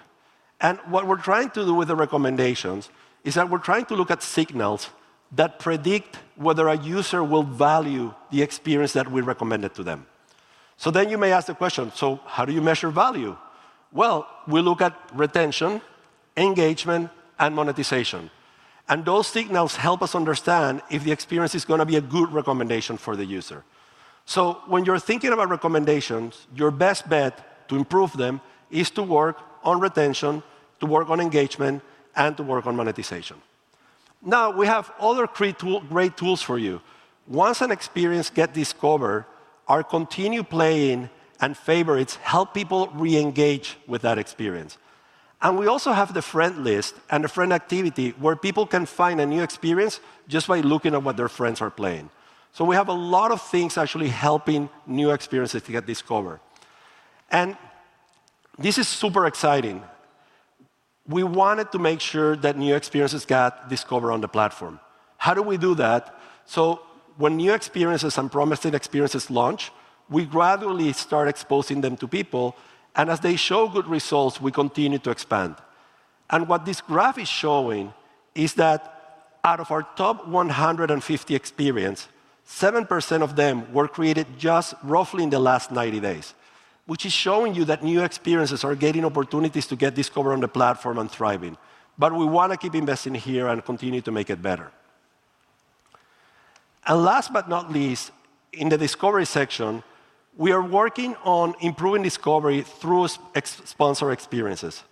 What we're trying to do with the recommendations is that we're trying to look at signals that predict whether a user will value the experience that we recommended to them. You may ask the question, so how do you measure value? We look at retention, engagement, and monetization. Those signals help us understand if the experience is going to be a good recommendation for the user. When you're thinking about recommendations, your best bet to improve them is to work on retention, to work on engagement, and to work on monetization. We have other great tools for you. Once an experience gets discovered, our continued playing and favorites help people re-engage with that experience. We also have the friend list and the friend activity where people can find a new experience just by looking at what their friends are playing. We have a lot of things actually helping new experiences to get discovered. This is super exciting. We wanted to make sure that new experiences got discovered on the platform. How do we do that? When new experiences and promising experiences launch, we gradually start exposing them to people. As they show good results, we continue to expand. What this graph is showing is that out of our top 150 experiences, 7% of them were created just roughly in the last 90 days, which is showing you that new experiences are getting opportunities to get discovered on the platform and thriving. We want to keep investing here and continue to make it better. Last but not least, in the discovery section, we are working on improving discovery through sponsor experiences.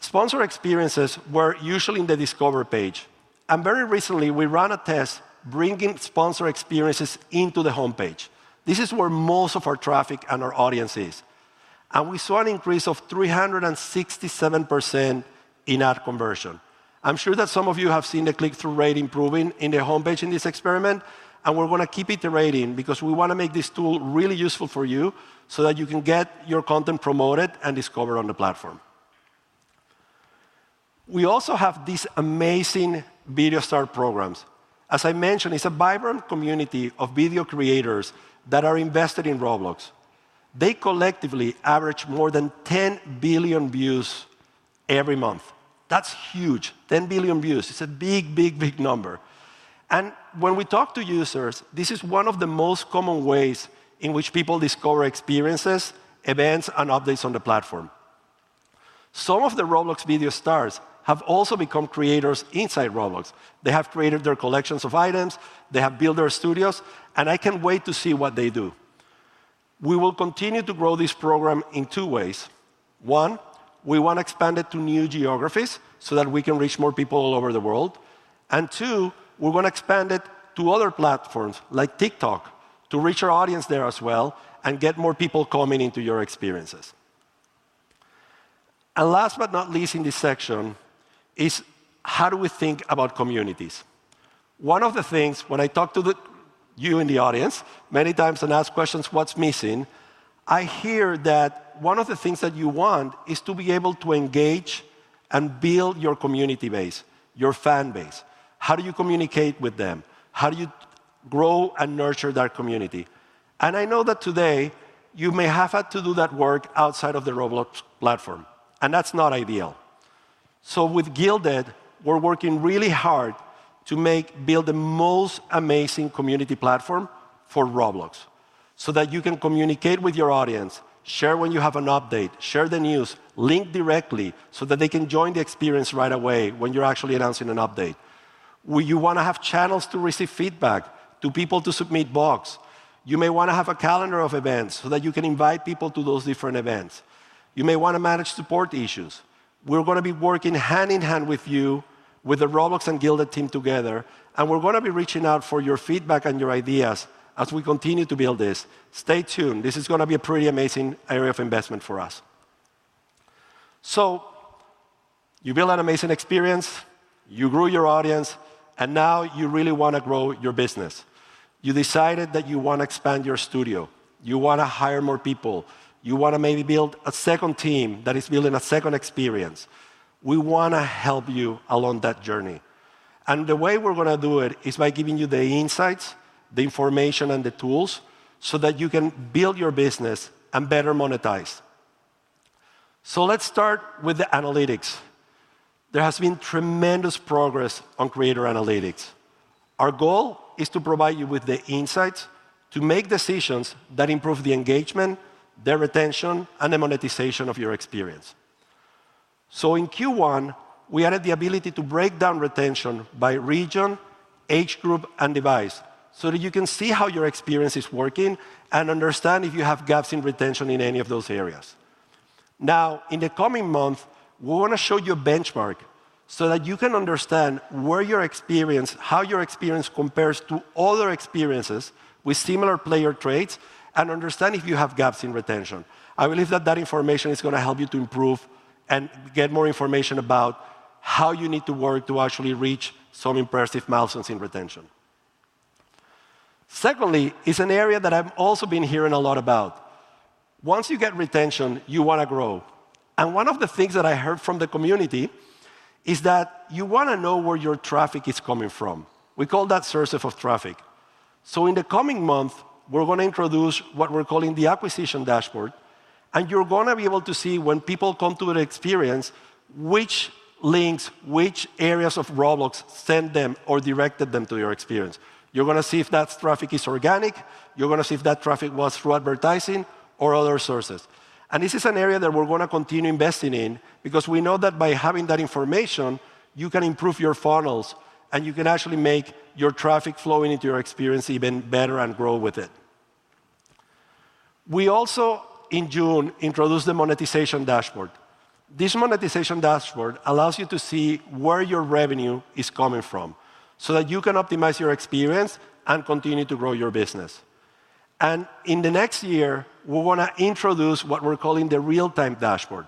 Sponsor experiences were usually in the discover page. Very recently, we ran a test bringing sponsor experiences into the home page. This is where most of our traffic and our audience is. We saw an increase of 367% in ad conversion. I'm sure that some of you have seen the click-through rate improving in the home page in this experiment. We are going to keep iterating because we want to make this tool really useful for you so that you can get your content promoted and discovered on the platform. We also have these amazing Video Star programs. As I mentioned, it is a vibrant community of video creators that are invested in Roblox. They collectively average more than 10 billion views every month. That is huge. 10 billion views. It is a big, big, big number. When we talk to users, this is one of the most common ways in which people discover experiences, events, and updates on the platform. Some of the Roblox Video Stars have also become creators inside Roblox. They have created their collections of items. They have built their studios. I cannot wait to see what they do. We will continue to grow this program in two ways. One, we want to expand it to new geographies so that we can reach more people all over the world. Two, we want to expand it to other platforms like TikTok to reach our audience there as well and get more people coming into your experiences. Last but not least in this section is how do we think about communities? One of the things when I talk to you in the audience many times and ask questions, what's missing, I hear that one of the things that you want is to be able to engage and build your community base, your fan base. How do you communicate with them? How do you grow and nurture that community? I know that today you may have had to do that work outside of the Roblox platform. That's not ideal. With Guilded, we're working really hard to build the most amazing community platform for Roblox so that you can communicate with your audience, share when you have an update, share the news, link directly so that they can join the experience right away when you're actually announcing an update. You want to have channels to receive feedback, for people to submit bugs. You may want to have a calendar of events so that you can invite people to those different events. You may want to manage support issues. We're going to be working hand in hand with you, with the Roblox and Guilded team together. We're going to be reaching out for your feedback and your ideas as we continue to build this. Stay tuned. This is going to be a pretty amazing area of investment for us. You built an amazing experience. You grew your audience. Now you really want to grow your business. You decided that you want to expand your studio. You want to hire more people. You want to maybe build a second team that is building a second experience. We want to help you along that journey. The way we're going to do it is by giving you the insights, the information, and the tools so that you can build your business and better monetize. Let's start with the analytics. There has been tremendous progress on creator analytics. Our goal is to provide you with the insights to make decisions that improve the engagement, the retention, and the monetization of your experience. In Q1, we added the ability to break down retention by region, age group, and device so that you can see how your experience is working and understand if you have gaps in retention in any of those areas. Now, in the coming month, we want to show you a benchmark so that you can understand how your experience compares to other experiences with similar player traits and understand if you have gaps in retention. I believe that information is going to help you to improve and get more information about how you need to work to actually reach some impressive milestones in retention. Secondly, it's an area that I've also been hearing a lot about. Once you get retention, you want to grow. One of the things that I heard from the community is that you want to know where your traffic is coming from. We call that source of traffic. In the coming month, we're going to introduce what we're calling the acquisition dashboard. You're going to be able to see when people come to the experience which links, which areas of Roblox sent them or directed them to your experience. You're going to see if that traffic is organic. You're going to see if that traffic was through advertising or other sources. This is an area that we're going to continue investing in because we know that by having that information, you can improve your funnels and you can actually make your traffic flowing into your experience even better and grow with it. We also, in June, introduced the monetization dashboard. This monetization dashboard allows you to see where your revenue is coming from so that you can optimize your experience and continue to grow your business. In the next year, we want to introduce what we're calling the real-time dashboard.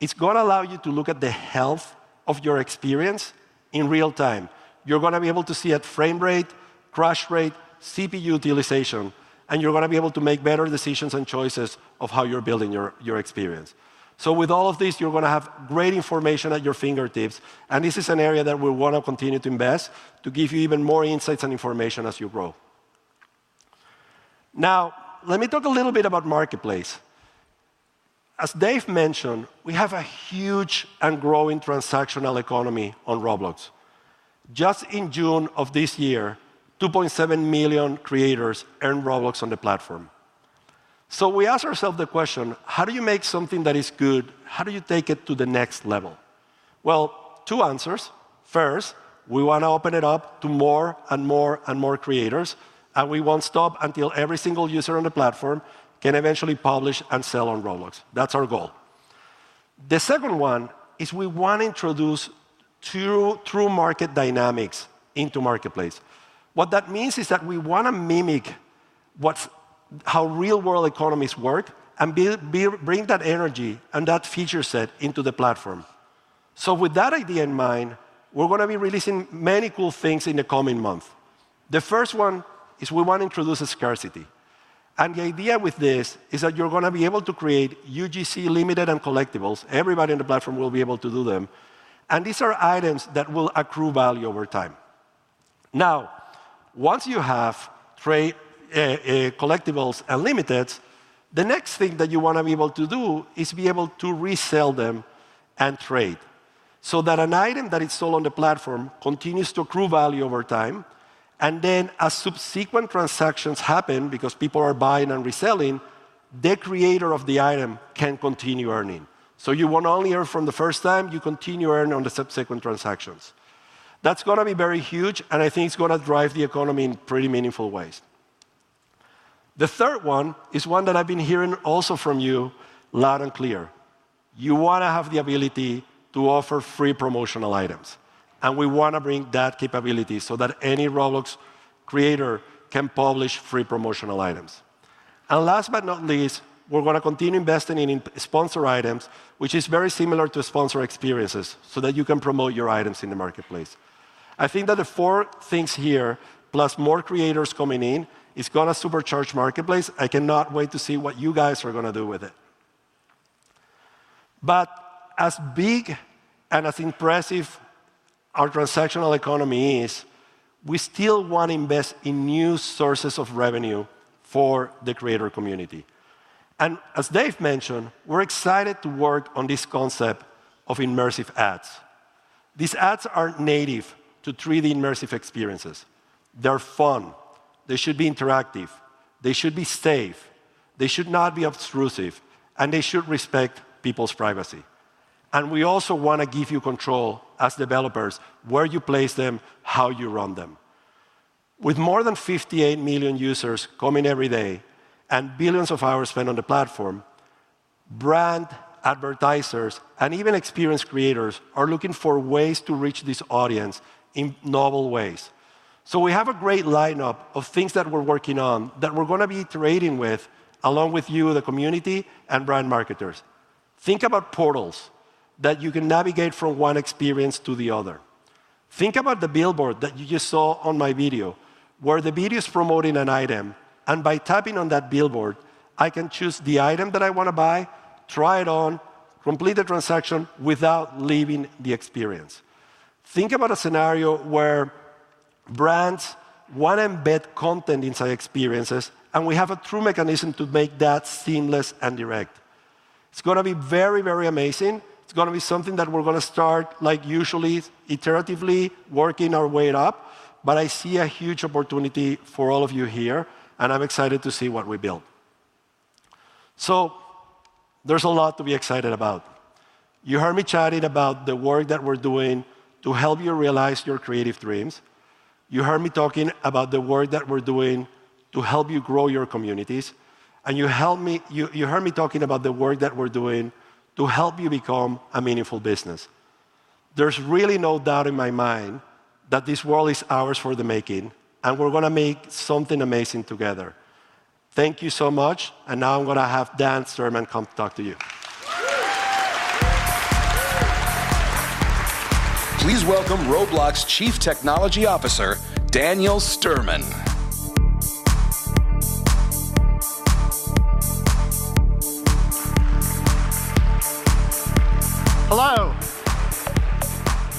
It's going to allow you to look at the health of your experience in real time. You're going to be able to see at frame rate, crash rate, CPU utilization. You're going to be able to make better decisions and choices of how you're building your experience. With all of this, you're going to have great information at your fingertips. This is an area that we want to continue to invest to give you even more insights and information as you grow. Now, let me talk a little bit about Marketplace. As Dave mentioned, we have a huge and growing transactional economy on Roblox. Just in June of this year, 2.7 million creators earned Robux on the platform. We asked ourselves the question, how do you make something that is good? How do you take it to the next level? Two answers. First, we want to open it up to more and more and more creators. We will not stop until every single user on the platform can eventually publish and sell on Roblox. That is our goal. The second one is we want to introduce true market dynamics into Marketplace. What that means is that we want to mimic how real-world economies work and bring that energy and that feature set into the platform. With that idea in mind, we are going to be releasing many cool things in the coming month. The first one is we want to introduce scarcity. The idea with this is that you're going to be able to create UGC, limited, and collectibles. Everybody on the platform will be able to do them. These are items that will accrue value over time. Now, once you have collectibles and limiteds, the next thing that you want to be able to do is be able to resell them and trade so that an item that is sold on the platform continues to accrue value over time. As subsequent transactions happen because people are buying and reselling, the creator of the item can continue earning. You will not only earn from the first time. You continue earning on the subsequent transactions. That is going to be very huge. I think it is going to drive the economy in pretty meaningful ways. The third one is one that I have been hearing also from you loud and clear. You want to have the ability to offer free promotional items. We want to bring that capability so that any Roblox creator can publish free promotional items. Last but not least, we are going to continue investing in sponsor items, which is very similar to sponsor experiences so that you can promote your items in the Marketplace. I think that the four things here, plus more creators coming in, is going to supercharge Marketplace. I cannot wait to see what you guys are going to do with it. As big and as impressive as our transactional economy is, we still want to invest in new sources of revenue for the creator community. As Dave mentioned, we are excited to work on this concept of immersive ads. These ads are native to 3D immersive experiences. They are fun. They should be interactive. They should be safe. They should not be obtrusive. They should respect people's privacy. We also want to give you control as developers where you place them, how you run them. With more than 58 million users coming every day and billions of hours spent on the platform, brand advertisers and even experienced creators are looking for ways to reach this audience in novel ways. We have a great lineup of things that we're working on that we're going to be iterating with along with you, the community and brand marketers. Think about portals that you can navigate from one experience to the other. Think about the billboard that you just saw on my video where the video is promoting an item. By tapping on that billboard, I can choose the item that I want to buy, try it on, complete the transaction without leaving the experience. Think about a scenario where brands want to embed content inside experiences. We have a true mechanism to make that seamless and direct. It is going to be very, very amazing. It is going to be something that we are going to start, like usually, iteratively working our way up. I see a huge opportunity for all of you here. I am excited to see what we build. There is a lot to be excited about. You heard me chatting about the work that we are doing to help you realize your creative dreams. You heard me talking about the work that we are doing to help you grow your communities. You heard me talking about the work that we are doing to help you become a meaningful business. There is really no doubt in my mind that this world is ours for the making. We are going to make something amazing together. Thank you so much. Now I'm going to have Dan Sturman come talk to you. Please welcome Roblox Chief Technology Officer Daniel Sturman. Hello.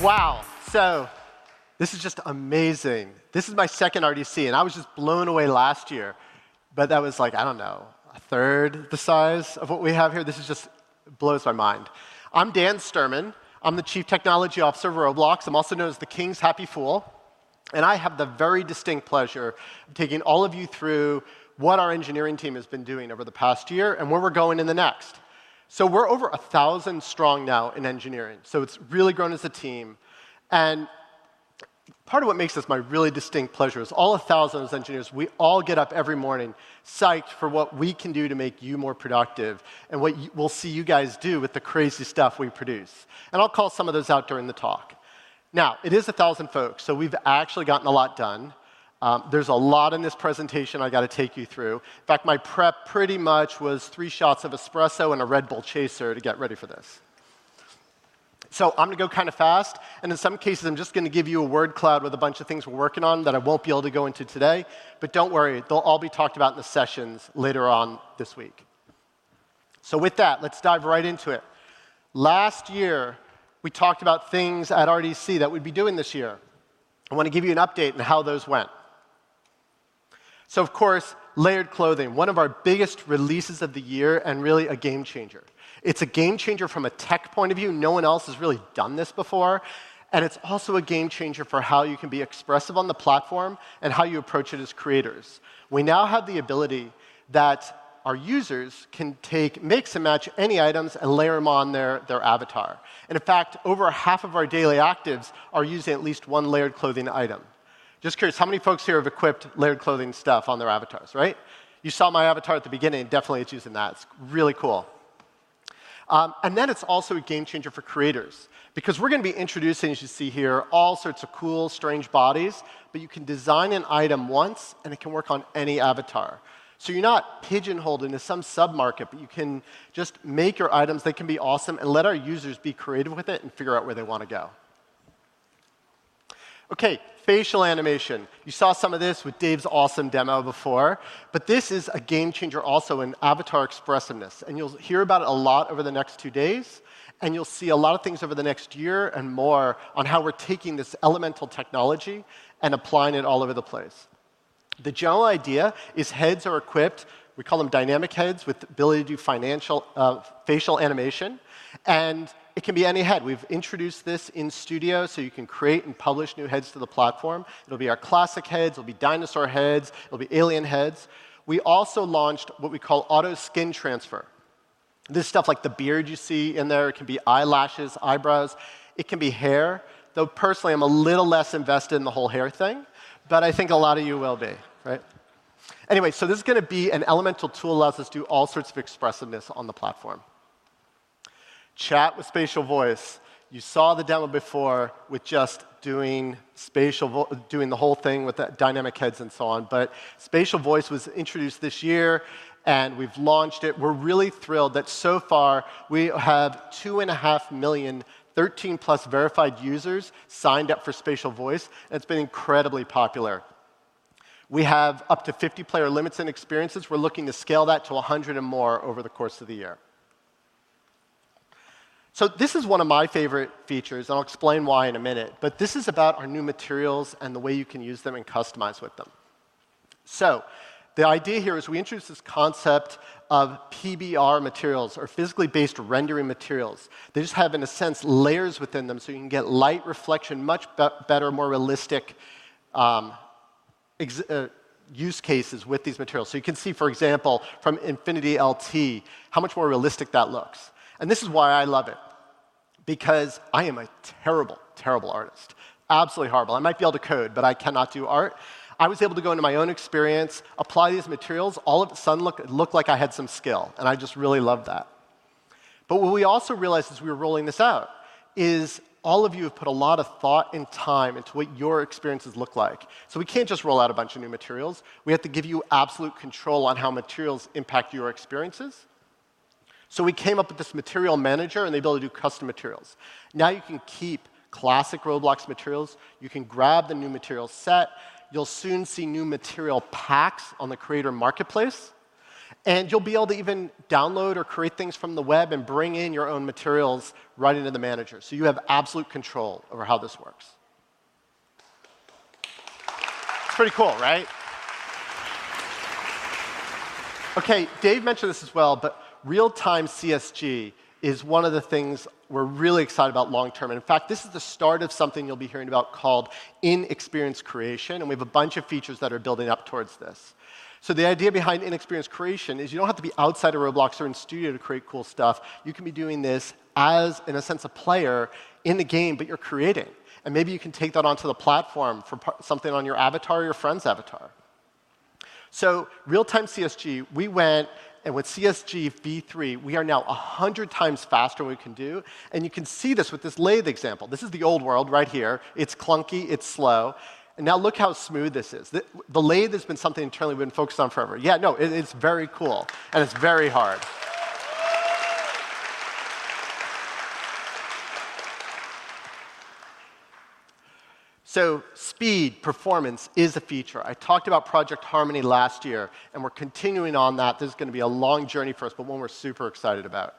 Wow. This is just amazing. This is my second RDC. I was just blown away last year. That was like, I don't know, a third the size of what we have here. This just blows my mind. I'm Dan Sturman. I'm the Chief Technology Officer of Roblox. I'm also known as the TheKingsHappyFool. I have the very distinct pleasure of taking all of you through what our engineering team has been doing over the past year and where we're going in the next. We are over 1,000 strong now in engineering. It has really grown as a team. Part of what makes this my really distinct pleasure is all 1,000 of us engineers, we all get up every morning psyched for what we can do to make you more productive and what we will see you guys do with the crazy stuff we produce. I will call some of those out during the talk. Now, it is 1,000 folks. We have actually gotten a lot done. There is a lot in this presentation I have to take you through. In fact, my prep pretty much was three shots of espresso and a Red Bull chaser to get ready for this. I am going to go kind of fast. In some cases, I am just going to give you a word cloud with a bunch of things we are working on that I will not be able to go into today. Do not worry. They'll all be talked about in the sessions later on this week. With that, let's dive right into it. Last year, we talked about things at RDC that we'd be doing this year. I want to give you an update on how those went. Of course, layered clothing, one of our biggest releases of the year and really a game changer. It's a game changer from a tech point of view. No one else has really done this before. It's also a game changer for how you can be expressive on the platform and how you approach it as creators. We now have the ability that our users can take, mix, and match any items and layer them on their avatar. In fact, over half of our daily actives are using at least one layered clothing item. Just curious, how many folks here have equipped layered clothing stuff on their avatars, right? You saw my avatar at the beginning. Definitely, it's using that. It's really cool. It is also a game changer for creators because we're going to be introducing, as you see here, all sorts of cool, strange bodies. You can design an item once, and it can work on any avatar. You are not pigeonholed into some sub-market, but you can just make your items. They can be awesome and let our users be creative with it and figure out where they want to go. OK, facial animation. You saw some of this with Dave's awesome demo before. This is a game changer also in avatar expressiveness. You will hear about it a lot over the next two days. You will see a lot of things over the next year and more on how we are taking this elemental technology and applying it all over the place. The general idea is heads are equipped. We call them dynamic heads with the ability to do facial animation. It can be any head. We have introduced this in Studio so you can create and publish new heads to the platform. It will be our classic heads. It will be dinosaur heads. It will be alien heads. We also launched what we call auto skin transfer. This is stuff like the beard you see in there, it can be eyelashes, eyebrows. It can be hair. Though personally, I am a little less invested in the whole hair thing. I think a lot of you will be, right? Anyway, this is going to be an elemental tool that lets us do all sorts of expressiveness on the platform. Chat with spatial voice. You saw the demo before with just doing the whole thing with dynamic heads and so on. Spatial voice was introduced this year. We have launched it. We're really thrilled that so far we have 2.5 million 13+ verified users signed up for spatial voice. It has been incredibly popular. We have up to 50 player limits in experiences. We're looking to scale that to 100 and more over the course of the year. This is one of my favorite features. I'll explain why in a minute. This is about our new materials and the way you can use them and customize with them. The idea here is we introduced this concept of PBR materials, or physically based rendering materials. They just have, in a sense, layers within them so you can get light reflection much better, more realistic use cases with these materials. You can see, for example, from Infinity LT how much more realistic that looks. This is why I love it because I am a terrible, terrible artist. Absolutely horrible. I might be able to code, but I cannot do art. I was able to go into my own experience, apply these materials. All of a sudden, it looked like I had some skill. I just really loved that. What we also realized as we were rolling this out is all of you have put a lot of thought and time into what your experiences look like. We can't just roll out a bunch of new materials. We have to give you absolute control on how materials impact your experiences. We came up with this material manager, and they're able to do custom materials. Now you can keep classic Roblox materials. You can grab the new material set. You'll soon see new material packs on the Creator Marketplace. You'll be able to even download or create things from the web and bring in your own materials right into the manager. You have absolute control over how this works. It's pretty cool, right? OK, Dave mentioned this as well. Real-time CSG is one of the things we're really excited about long term. In fact, this is the start of something you'll be hearing about called in-experience creation. We have a bunch of features that are building up towards this. The idea behind in-experience creation is you do not have to be outside of Roblox or in Studio to create cool stuff. You can be doing this as, in a sense, a player in the game, but you are creating. Maybe you can take that onto the platform for something on your avatar or your friend's avatar. Real-time CSG, we went. With CSG v3, we are now 100 times faster than we can do. You can see this with this lathe example. This is the old world right here. It is clunky. It is slow. Now look how smooth this is. The lathe has been something internally we have been focused on forever. Yeah, no, it is very cool. It is very hard. Speed, performance is a feature. I talked about Project Harmony last year. We are continuing on that. This is going to be a long journey for us, but one we're super excited about.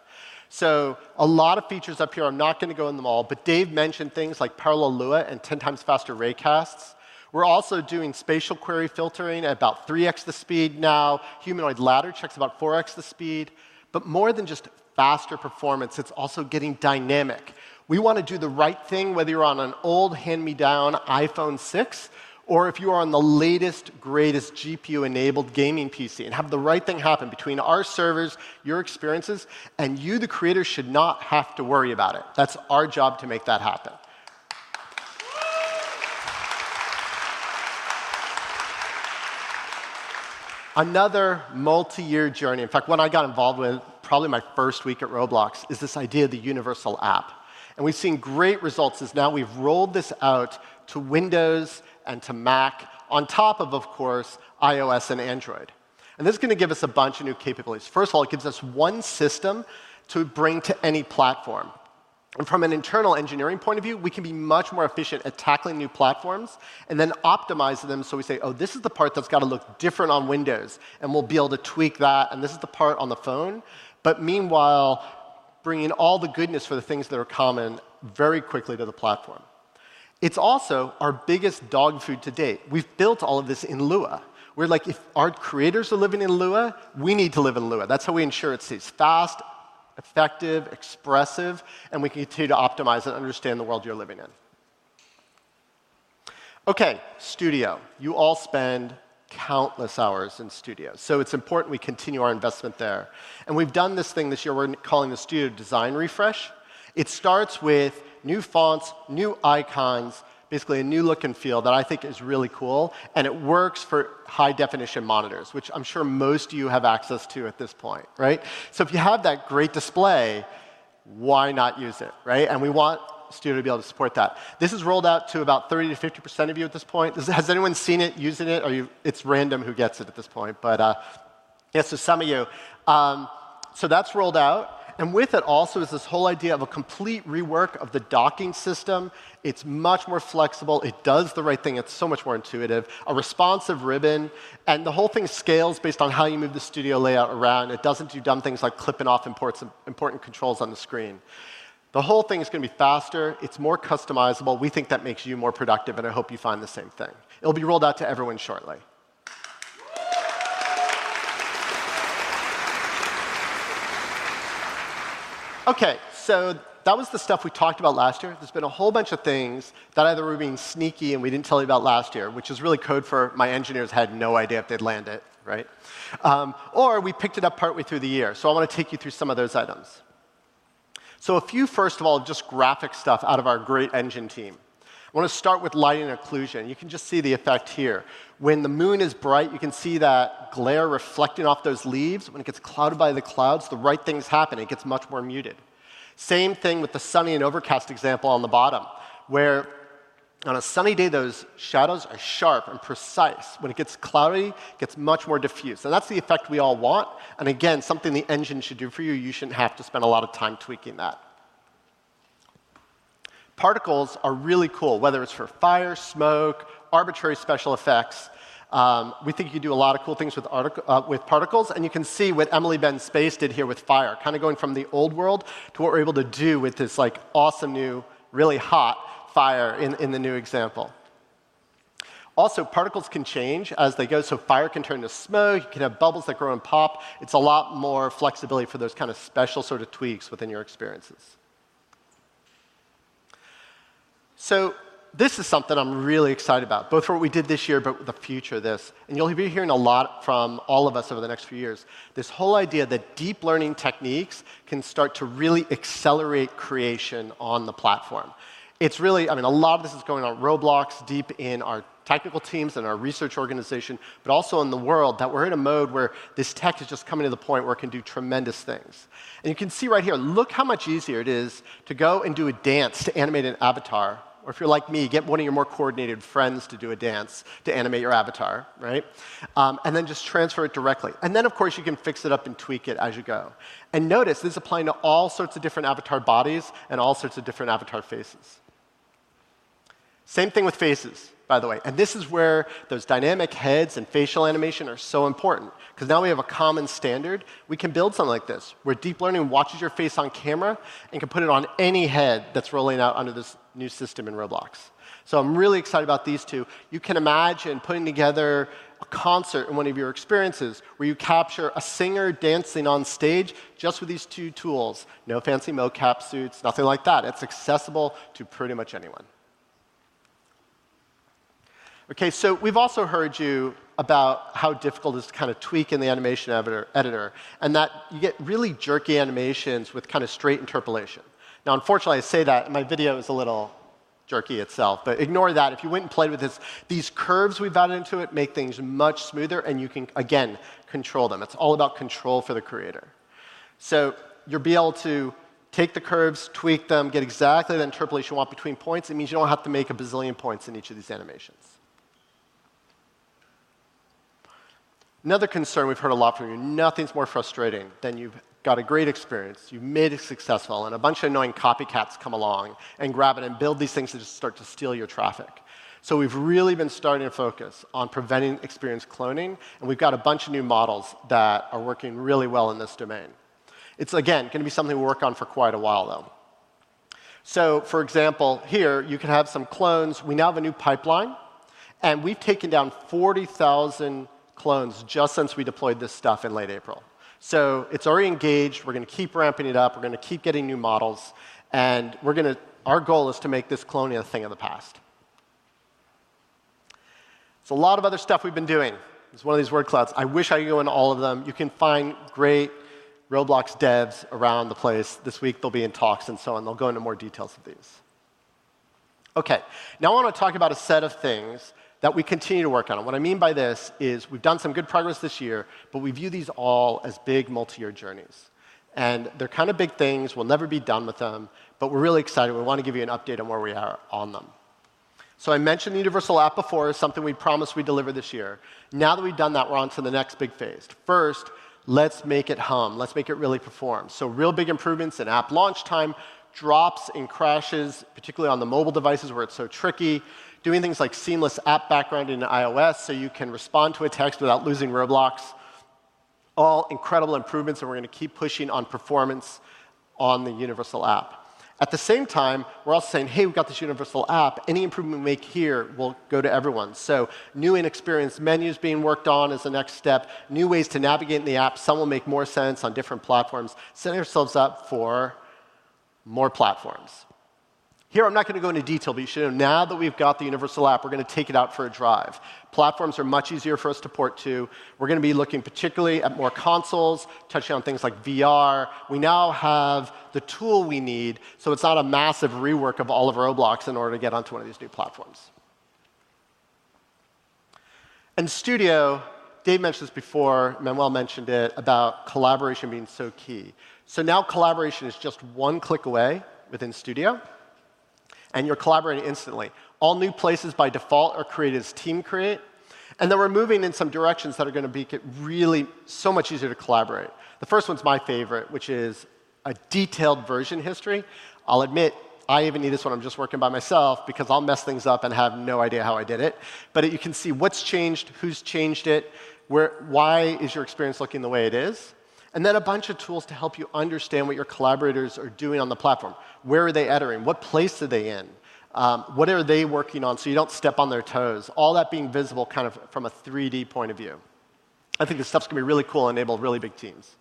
A lot of features up here. I'm not going to go into them all. Dave mentioned things like Parallel Luau and 10x faster raycasts. We're also doing spatial query filtering at about 3x the speed now. Humanoid ladder checks about 4x the speed. More than just faster performance, it's also getting dynamic. We want to do the right thing, whether you're on an old hand-me-down iPhone 6 or if you are on the latest, greatest GPU-enabled gaming PC and have the right thing happen between our servers, your experiences, and you, the creator, should not have to worry about it. That's our job to make that happen. Another multi-year journey. In fact, when I got involved with it, probably my first week at Roblox, is this idea of the Universal App. We have seen great results as now we have rolled this out to Windows and to Mac on top of, of course, iOS and Android. This is going to give us a bunch of new capabilities. First of all, it gives us one system to bring to any platform. From an internal engineering point of view, we can be much more efficient at tackling new platforms and then optimize them so we say, oh, this is the part that has to look different on Windows. We will be able to tweak that. This is the part on the phone. Meanwhile, bringing all the goodness for the things that are common very quickly to the platform. It is also our biggest dog food to date. We've built all of this in Lua. We're like, if our creators are living in Lua, we need to live in Lua. That's how we ensure it stays fast, effective, expressive, and we can continue to optimize and understand the world you're living in. OK, Studio. You all spend countless hours in Studio. It is important we continue our investment there. We've done this thing this year. We're calling the Studio design refresh. It starts with new fonts, new icons, basically a new look and feel that I think is really cool. It works for high-definition monitors, which I'm sure most of you have access to at this point, right? If you have that great display, why not use it, right? We want Studio to be able to support that. This is rolled out to about 30%-50% of you at this point. Has anyone seen it, using it? It's random who gets it at this point. Yes, there's some of you. That's rolled out. With it also is this whole idea of a complete rework of the docking system. It's much more flexible. It does the right thing. It's so much more intuitive. A responsive ribbon. The whole thing scales based on how you move the studio layout around. It doesn't do dumb things like clipping off important controls on the screen. The whole thing is going to be faster. It's more customizable. We think that makes you more productive. I hope you find the same thing. It'll be rolled out to everyone shortly. OK, that was the stuff we talked about last year. There's been a whole bunch of things that either were being sneaky and we didn't tell you about last year, which is really code for my engineers had no idea if they'd land it, right? Or we picked it up partway through the year. I want to take you through some of those items. A few, first of all, just graphic stuff out of our great engine team. I want to start with lighting occlusion. You can just see the effect here. When the moon is bright, you can see that glare reflecting off those leaves. When it gets clouded by the clouds, the right thing's happening. It gets much more muted. Same thing with the sunny and overcast example on the bottom, where on a sunny day, those shadows are sharp and precise. When it gets cloudy, it gets much more diffused. That is the effect we all want. Again, something the engine should do for you. You should not have to spend a lot of time tweaking that. Particles are really cool, whether it is for fire, smoke, arbitrary special effects. We think you can do a lot of cool things with particles. You can see what EmilyBendsSpace did here with fire, kind of going from the old world to what we are able to do with this awesome new, really hot fire in the new example. Also, particles can change as they go. Fire can turn to smoke. You can have bubbles that grow and pop. It is a lot more flexibility for those kind of special sort of tweaks within your experiences. This is something I am really excited about, both for what we did this year and the future of this. You'll be hearing a lot from all of us over the next few years, this whole idea that deep learning techniques can start to really accelerate creation on the platform. I mean, a lot of this is going on Roblox, deep in our technical teams and our research organization, but also in the world that we're in a mode where this tech is just coming to the point where it can do tremendous things. You can see right here, look how much easier it is to go and do a dance to animate an avatar. Or if you're like me, get one of your more coordinated friends to do a dance to animate your avatar, right? Then just transfer it directly. Of course, you can fix it up and tweak it as you go. Notice this is applying to all sorts of different avatar bodies and all sorts of different avatar faces. Same thing with faces, by the way. This is where those dynamic heads and facial animation are so important because now we have a common standard. We can build something like this where deep learning watches your face on camera and can put it on any head that's rolling out under this new system in Roblox. I'm really excited about these two. You can imagine putting together a concert in one of your experiences where you capture a singer dancing on stage just with these two tools. No fancy mocap suits, nothing like that. It's accessible to pretty much anyone. OK, so we've also heard you about how difficult it is to kind of tweak in the animation editor and that you get really jerky animations with kind of straight interpolation. Now, unfortunately, I say that. My video is a little jerky itself. Ignore that. If you went and played with this, these curves we've added into it make things much smoother. You can, again, control them. It's all about control for the creator. You'll be able to take the curves, tweak them, get exactly the interpolation you want between points. It means you don't have to make a bazillion points in each of these animations. Another concern we've heard a lot from you, nothing's more frustrating than you've got a great experience. You made it successful. A bunch of annoying copycats come along and grab it and build these things that just start to steal your traffic. We have really been starting to focus on preventing experience cloning. We have a bunch of new models that are working really well in this domain. It is, again, going to be something we work on for quite a while, though. For example, here, you can have some clones. We now have a new pipeline. We have taken down 40,000 clones just since we deployed this stuff in late April. It is already engaged. We are going to keep ramping it up. We are going to keep getting new models. Our goal is to make this cloning a thing of the past. There is a lot of other stuff we have been doing. There is one of these word clouds. I wish I could go into all of them. You can find great Roblox devs around the place. This week, they'll be in talks and so on. They'll go into more details of these. OK, now I want to talk about a set of things that we continue to work on. What I mean by this is we've done some good progress this year. We view these all as big, multi-year journeys. They're kind of big things. We'll never be done with them. We're really excited. We want to give you an update on where we are on them. I mentioned the universal app before. It's something we promised we'd deliver this year. Now that we've done that, we're on to the next big phase. First, let's make it hum. Let's make it really perform. Real big improvements in app launch time, drops and crashes, particularly on the mobile devices where it is so tricky, doing things like seamless app background in iOS so you can respond to a text without losing Roblox. All incredible improvements. We are going to keep pushing on performance on the universal app. At the same time, we are also saying, hey, we have got this universal app. Any improvement we make here will go to everyone. New and experienced menus are being worked on as the next step, new ways to navigate in the app. Some will make more sense on different platforms. Setting ourselves up for more platforms. Here, I am not going to go into detail. You should know now that we have got the universal app, we are going to take it out for a drive. Platforms are much easier for us to port to. We're going to be looking particularly at more consoles, touching on things like VR. We now have the tool we need. It is not a massive rework of all of Roblox in order to get onto one of these new platforms. In Studio, Dave mentioned this before. Manuel mentioned it about collaboration being so key. Now collaboration is just one click away within Studio, and you're collaborating instantly. All new places by default are created as Team Create. We are moving in some directions that are going to make it really so much easier to collaborate. The first one is my favorite, which is a detailed version history. I'll admit, I even need this one. I'm just working by myself because I'll mess things up and have no idea how I did it. You can see what's changed, who's changed it, why is your experience looking the way it is, and then a bunch of tools to help you understand what your collaborators are doing on the platform. Where are they entering? What place are they in? What are they working on so you don't step on their toes? All that being visible kind of from a 3D point of view. I think this stuff's going to be really cool and enable really big teams.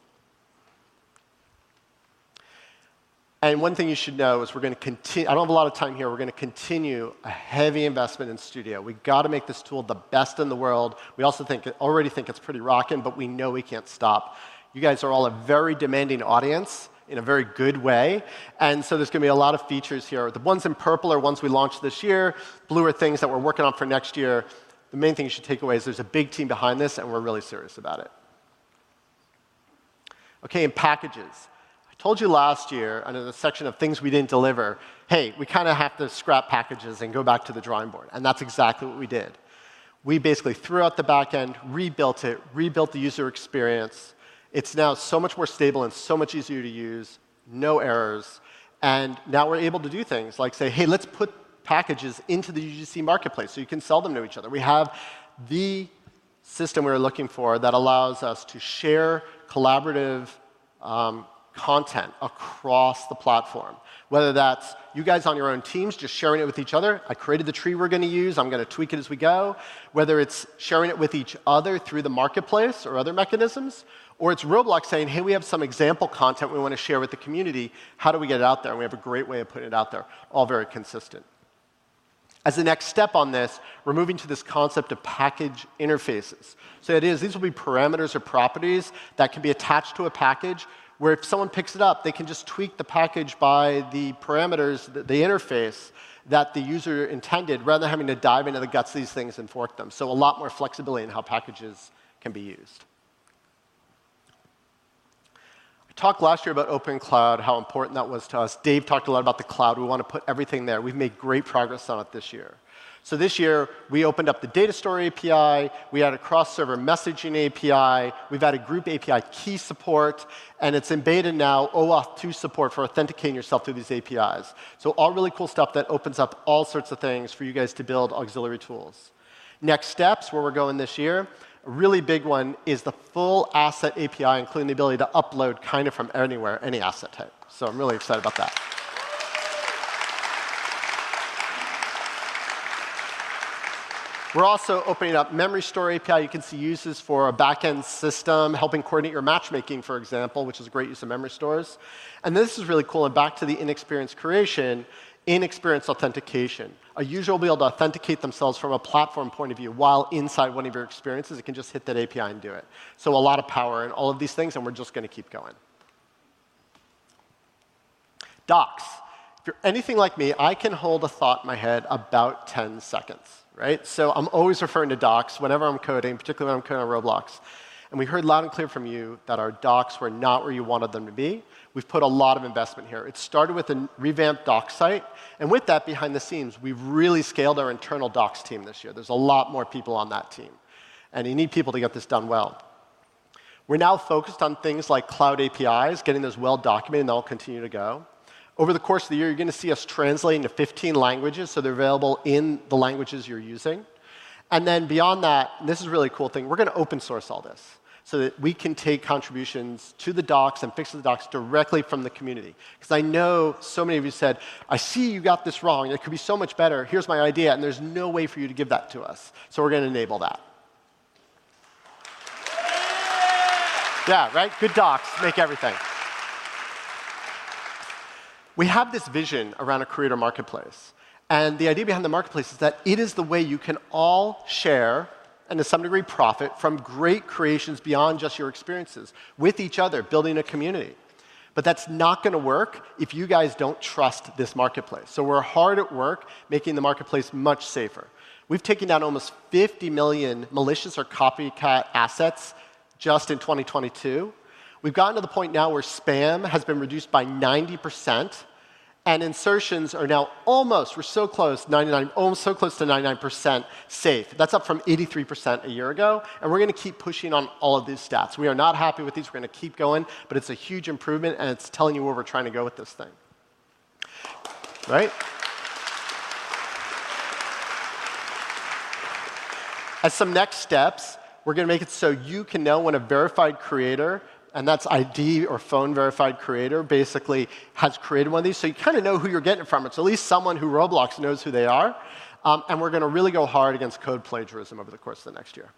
One thing you should know is we're going to continue—I don't have a lot of time here. We're going to continue a heavy investment in studio. We've got to make this tool the best in the world. We also already think it's pretty rocking. We know we can't stop. You guys are all a very demanding audience in a very good way. There is going to be a lot of features here. The ones in purple are ones we launched this year. Blue are things that we are working on for next year. The main thing you should take away is there is a big team behind this. We are really serious about it. OK, and packages. I told you last year under the section of things we did not deliver, hey, we kind of have to scrap packages and go back to the drawing board. That is exactly what we did. We basically threw out the back end, rebuilt it, rebuilt the user experience. It is now so much more stable and so much easier to use. No errors. Now we are able to do things like, say, hey, let us put packages into the UGC Marketplace so you can sell them to each other. We have the system we're looking for that allows us to share collaborative content across the platform, whether that's you guys on your own teams just sharing it with each other. I created the tree we're going to use. I'm going to tweak it as we go, whether it's sharing it with each other through the Marketplace or other mechanisms, or it's Roblox saying, hey, we have some example content we want to share with the community. How do we get it out there? We have a great way of putting it out there, all very consistent. As the next step on this, we're moving to this concept of package interfaces. These will be parameters or properties that can be attached to a package where if someone picks it up, they can just tweak the package by the parameters, the interface that the user intended, rather than having to dive into the guts of these things and fork them. A lot more flexibility in how packages can be used. I talked last year about Open Cloud, how important that was to us. Dave talked a lot about the cloud. We want to put everything there. We have made great progress on it this year. This year, we opened up the data store API. We added a cross-server messaging API. We have added group API key support. It is embedded now with OAuth 2.0 support for authenticating yourself through these APIs. All really cool stuff that opens up all sorts of things for you guys to build auxiliary tools. Next steps, where we're going this year, a really big one is the full asset API, including the ability to upload kind of from anywhere, any asset type. I'm really excited about that. We're also opening up memory store API. You can see uses for a back end system, helping coordinate your matchmaking, for example, which is a great use of memory stores. This is really cool. Back to the inexperience creation, inexperience authentication. A user will be able to authenticate themselves from a platform point of view while inside one of your experiences. It can just hit that API and do it. A lot of power in all of these things. We're just going to keep going. Docs. If you're anything like me, I can hold a thought in my head about 10 seconds, right? I'm always referring to docs whenever I'm coding, particularly when I'm coding on Roblox. We heard loud and clear from you that our docs were not where you wanted them to be. We've put a lot of investment here. It started with a revamped doc site. With that, behind the scenes, we've really scaled our internal docs team this year. There are a lot more people on that team. You need people to get this done well. We're now focused on things like cloud APIs, getting those well documented. They'll continue to go. Over the course of the year, you're going to see us translating to 15 languages, so they're available in the languages you're using. Beyond that, this is a really cool thing. We're going to open source all this so that we can take contributions to the docs and fix the docs directly from the community. Because I know so many of you said, I see you got this wrong. It could be so much better. Here's my idea. And there's no way for you to give that to us. So we're going to enable that. Yeah, right? Good docs make everything. We have this vision around a Creator Marketplace. The idea behind the Marketplace is that it is the way you can all share and, to some degree, profit from great creations beyond just your experiences with each other, building a community. That's not going to work if you guys do not trust this Marketplace. We're hard at work making the Marketplace much safer. We've taken down almost 50 million malicious or copycat assets just in 2022. We've gotten to the point now where spam has been reduced by 90%. Insertions are now almost—we're so close—99%, almost so close to 99% safe. That's up from 83% a year ago. We're going to keep pushing on all of these stats. We are not happy with these. We're going to keep going. It's a huge improvement. It's telling you where we're trying to go with this thing. Right? As some next steps, we're going to make it so you can know when a verified creator—and that's ID or phone verified creator—basically has created one of these. You kind of know who you're getting it from. It's at least someone who Roblox knows who they are. We're going to really go hard against code plagiarism over the course of the next year.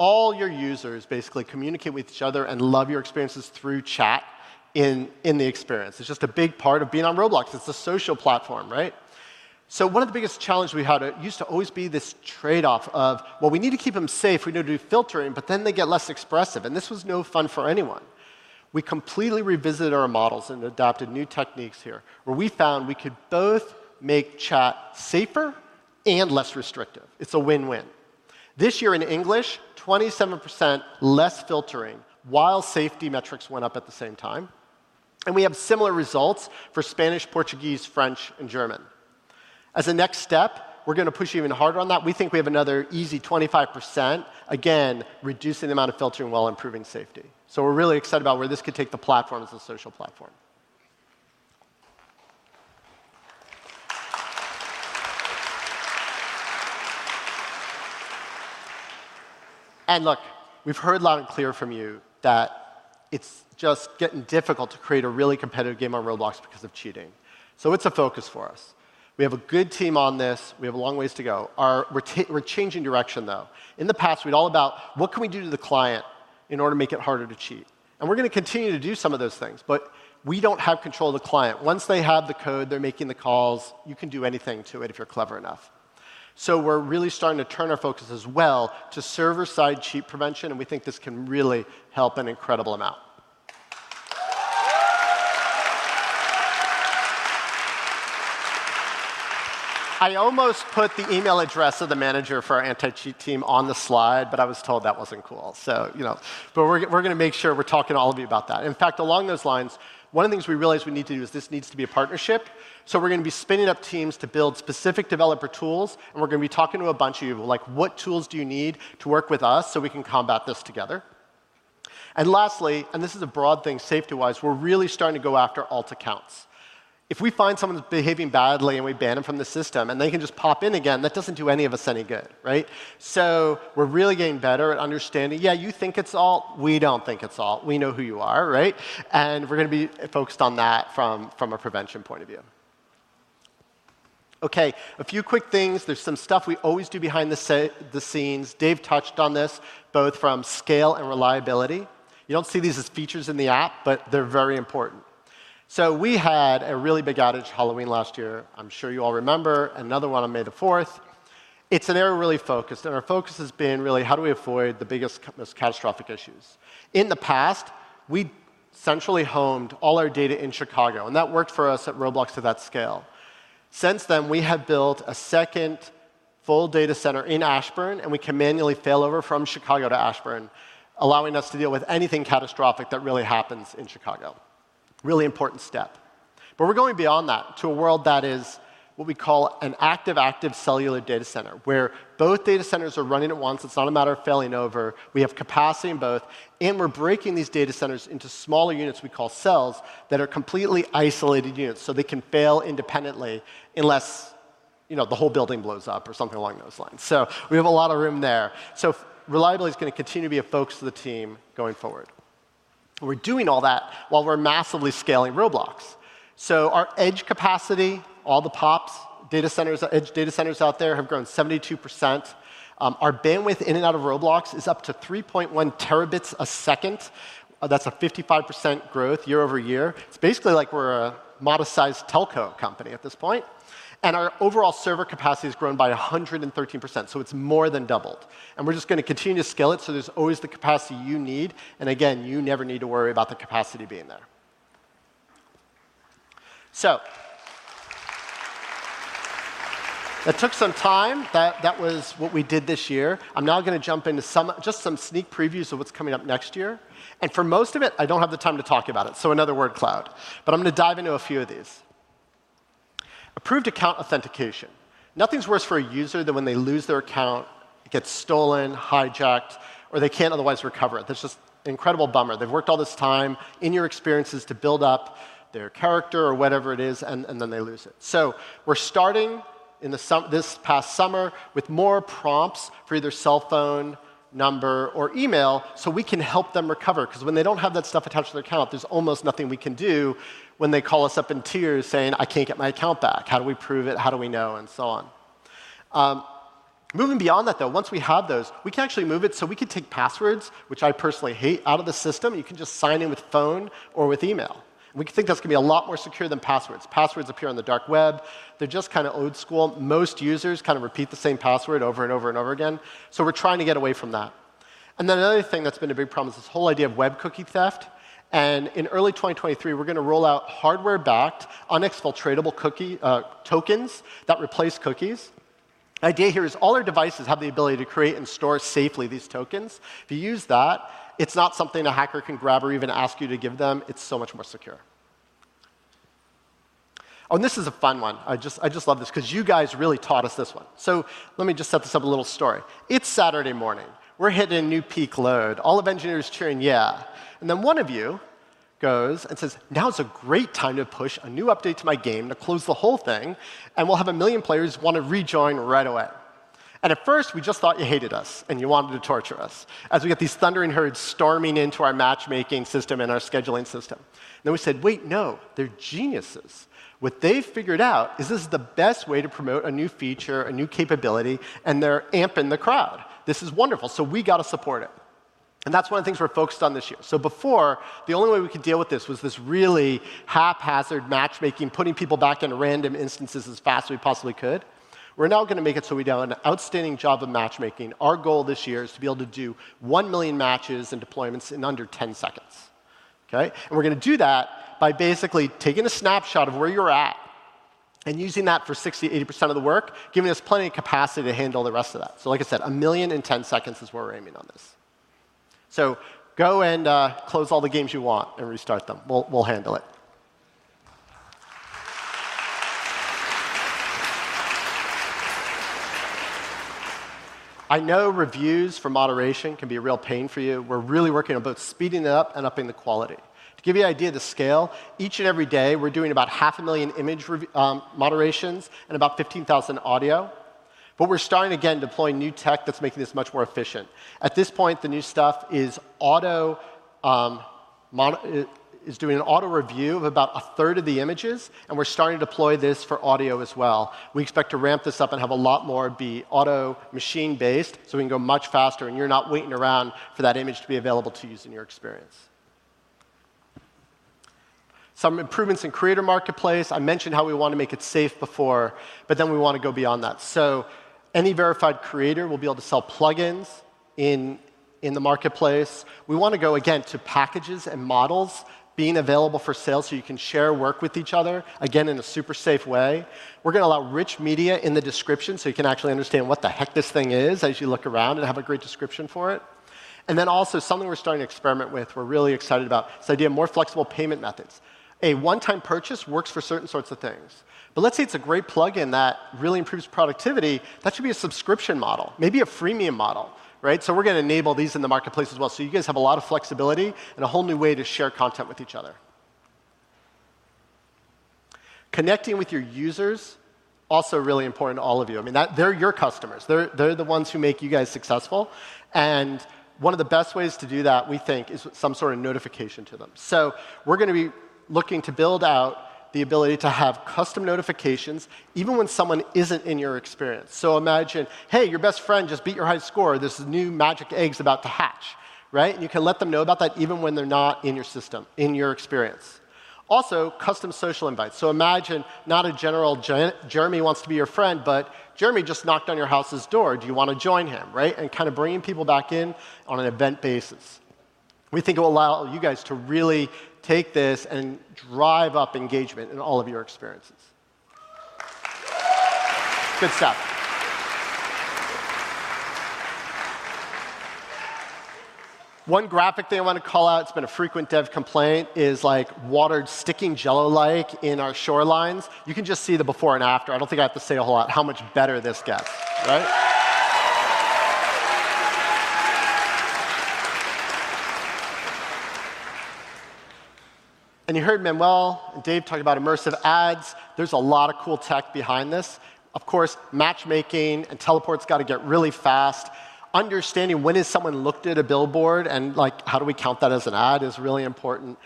All your users basically communicate with each other and love your experiences through chat in the experience. It's just a big part of being on Roblox. It's a social platform, right? One of the biggest challenges we had used to always be this trade-off of, well, we need to keep them safe. We need to do filtering. But then they get less expressive. This was no fun for anyone. We completely revisited our models and adopted new techniques here where we found we could both make chat safer and less restrictive. It's a win-win. This year in English, 27% less filtering while safety metrics went up at the same time. We have similar results for Spanish, Portuguese, French, and German. As a next step, we're going to push even harder on that. We think we have another easy 25%, again, reducing the amount of filtering while improving safety. We are really excited about where this could take the platform as a social platform. Look, we have heard loud and clear from you that it is just getting difficult to create a really competitive game on Roblox because of cheating. It is a focus for us. We have a good team on this. We have a long way to go. We are changing direction, though. In the past, we were all about what can we do to the client in order to make it harder to cheat. We are going to continue to do some of those things. We do not have control of the client. Once they have the code, they are making the calls. You can do anything to it if you are clever enough. We're really starting to turn our focus as well to server-side cheat prevention. We think this can really help an incredible amount. I almost put the email address of the manager for our anti-cheat team on the slide. I was told that was not cool. We're going to make sure we're talking to all of you about that. In fact, along those lines, one of the things we realized we need to do is this needs to be a partnership. We're going to be spinning up teams to build specific developer tools. We're going to be talking to a bunch of you about what tools you need to work with us so we can combat this together. Lastly, and this is a broad thing, safety-wise, we're really starting to go after alt accounts. If we find someone behaving badly and we ban them from the system and they can just pop in again, that does not do any of us any good, right? We are really getting better at understanding, yeah, you think it is all. We do not think it is all. We know who you are, right? We are going to be focused on that from a prevention point of view. OK, a few quick things. There is some stuff we always do behind the scenes. Dave touched on this, both from scale and reliability. You do not see these as features in the app. They are very important. We had a really big outage Halloween last year. I am sure you all remember. Another one on May the 4th. It is an area really focused. Our focus has been really, how do we avoid the biggest, most catastrophic issues? In the past, we centrally homed all our data in Chicago. That worked for us at Roblox to that scale. Since then, we have built a second full data center in Ashburn. We can manually failover from Chicago to Ashburn, allowing us to deal with anything catastrophic that really happens in Chicago. Really important step. We are going beyond that to a world that is what we call an active-active cellular data center, where both data centers are running at once. It is not a matter of failing over. We have capacity in both. We are breaking these data centers into smaller units we call cells that are completely isolated units so they can fail independently unless the whole building blows up or something along those lines. We have a lot of room there. Reliability is going to continue to be a focus of the team going forward. We're doing all that while we're massively scaling Roblox. Our edge capacity, all the PoPs, data centers, edge data centers out there have grown 72%. Our bandwidth in and out of Roblox is up to 3.1 Tbps. That's a 55% growth year over year. It's basically like we're a modest-sized telco company at this point. Our overall server capacity has grown by 113%. It's more than doubled. We're just going to continue to scale it so there's always the capacity you need. You never need to worry about the capacity being there. That took some time. That was what we did this year. I'm now going to jump into just some sneak previews of what's coming up next year. For most of it, I do not have the time to talk about it. Another word, cloud. I am going to dive into a few of these. Approved account authentication. Nothing is worse for a user than when they lose their account, it gets stolen, hijacked, or they cannot otherwise recover it. That is just an incredible bummer. They have worked all this time in your experiences to build up their character or whatever it is, and then they lose it. We are starting this past summer with more prompts for either cell phone number or email so we can help them recover. When they do not have that stuff attached to their account, there is almost nothing we can do when they call us up in tears saying, I cannot get my account back. How do we prove it? How do we know? And so on. Moving beyond that, though, once we have those, we can actually move it. We could take passwords, which I personally hate, out of the system. You can just sign in with phone or with email. We think that's going to be a lot more secure than passwords. Passwords appear on the dark web. They're just kind of old school. Most users repeat the same password over and over again. We're trying to get away from that. Another thing that's been a big problem is this whole idea of web cookie theft. In early 2023, we're going to roll out hardware-backed unexfiltratable tokens that replace cookies. The idea here is all our devices have the ability to create and store safely these tokens. If you use that, it's not something a hacker can grab or even ask you to give them. It's so much more secure. This is a fun one. I just love this because you guys really taught us this one. Let me just set this up, a little story. It's Saturday morning. We're hitting a new peak load. All of engineers cheering, yeah. One of you goes and says, now is a great time to push a new update to my game to close the whole thing. We'll have a million players want to rejoin right away. At first, we just thought you hated us and you wanted to torture us as we get these thundering herds storming into our matchmaking system and our scheduling system. We said, wait, no. They're geniuses. What they've figured out is this is the best way to promote a new feature, a new capability. They're amping the crowd. This is wonderful. We got to support it. That is one of the things we're focused on this year. Before, the only way we could deal with this was this really haphazard matchmaking, putting people back in random instances as fast as we possibly could. We're now going to make it so we do an outstanding job of matchmaking. Our goal this year is to be able to do 1 million matches and deployments in under 10 seconds. We're going to do that by basically taking a snapshot of where you're at and using that for 60%-80% of the work, giving us plenty of capacity to handle the rest of that. Like I said, 1 million in 10 seconds is where we're aiming on this. Go and close all the games you want and restart them. We'll handle it. I know reviews for moderation can be a real pain for you. We're really working on both speeding it up and upping the quality. To give you an idea of the scale, each and every day, we're doing about 500,000 image moderations and about 15,000 audio. We're starting again to deploy new tech that's making this much more efficient. At this point, the new stuff is doing an auto review of about 1/3 of the images. We're starting to deploy this for audio as well. We expect to ramp this up and have a lot more be auto machine-based so we can go much faster. You're not waiting around for that image to be available to use in your experience. Some improvements in Creator Marketplace. I mentioned how we want to make it safe before. Then we want to go beyond that. Any verified creator will be able to sell plugins in the Marketplace. We want to go, again, to packages and models being available for sale so you can share work with each other, again, in a super safe way. We are going to allow rich media in the description so you can actually understand what the heck this thing is as you look around and have a great description for it. Also, something we are starting to experiment with, we are really excited about, is the idea of more flexible payment methods. A one-time purchase works for certain sorts of things. Let's say it is a great plugin that really improves productivity. That should be a subscription model, maybe a freemium model. We are going to enable these in the Marketplace as well. You guys have a lot of flexibility and a whole new way to share content with each other. Connecting with your users is also really important to all of you. I mean, they're your customers. They're the ones who make you guys successful. One of the best ways to do that, we think, is some sort of notification to them. We're going to be looking to build out the ability to have custom notifications even when someone isn't in your experience. Imagine, hey, your best friend just beat your high score. There's a new magic egg about to hatch. You can let them know about that even when they're not in your system, in your experience. Also, custom social invites. Imagine not a general Jeremy wants to be your friend, but Jeremy just knocked on your house's door. Do you want to join him? Kind of bringing people back in on an event basis. We think it will allow you guys to really take this and drive up engagement in all of your experiences. Good stuff. One graphic thing I want to call out, it's been a frequent dev complaint, is water sticking jello-like in our shorelines. You can just see the before and after. I do not think I have to say a whole lot how much better this gets. You heard Manuel and Dave talk about immersive ads. There is a lot of cool tech behind this. Of course, matchmaking and teleports got to get really fast. Understanding when someone looked at a billboard and how we count that as an ad is really important.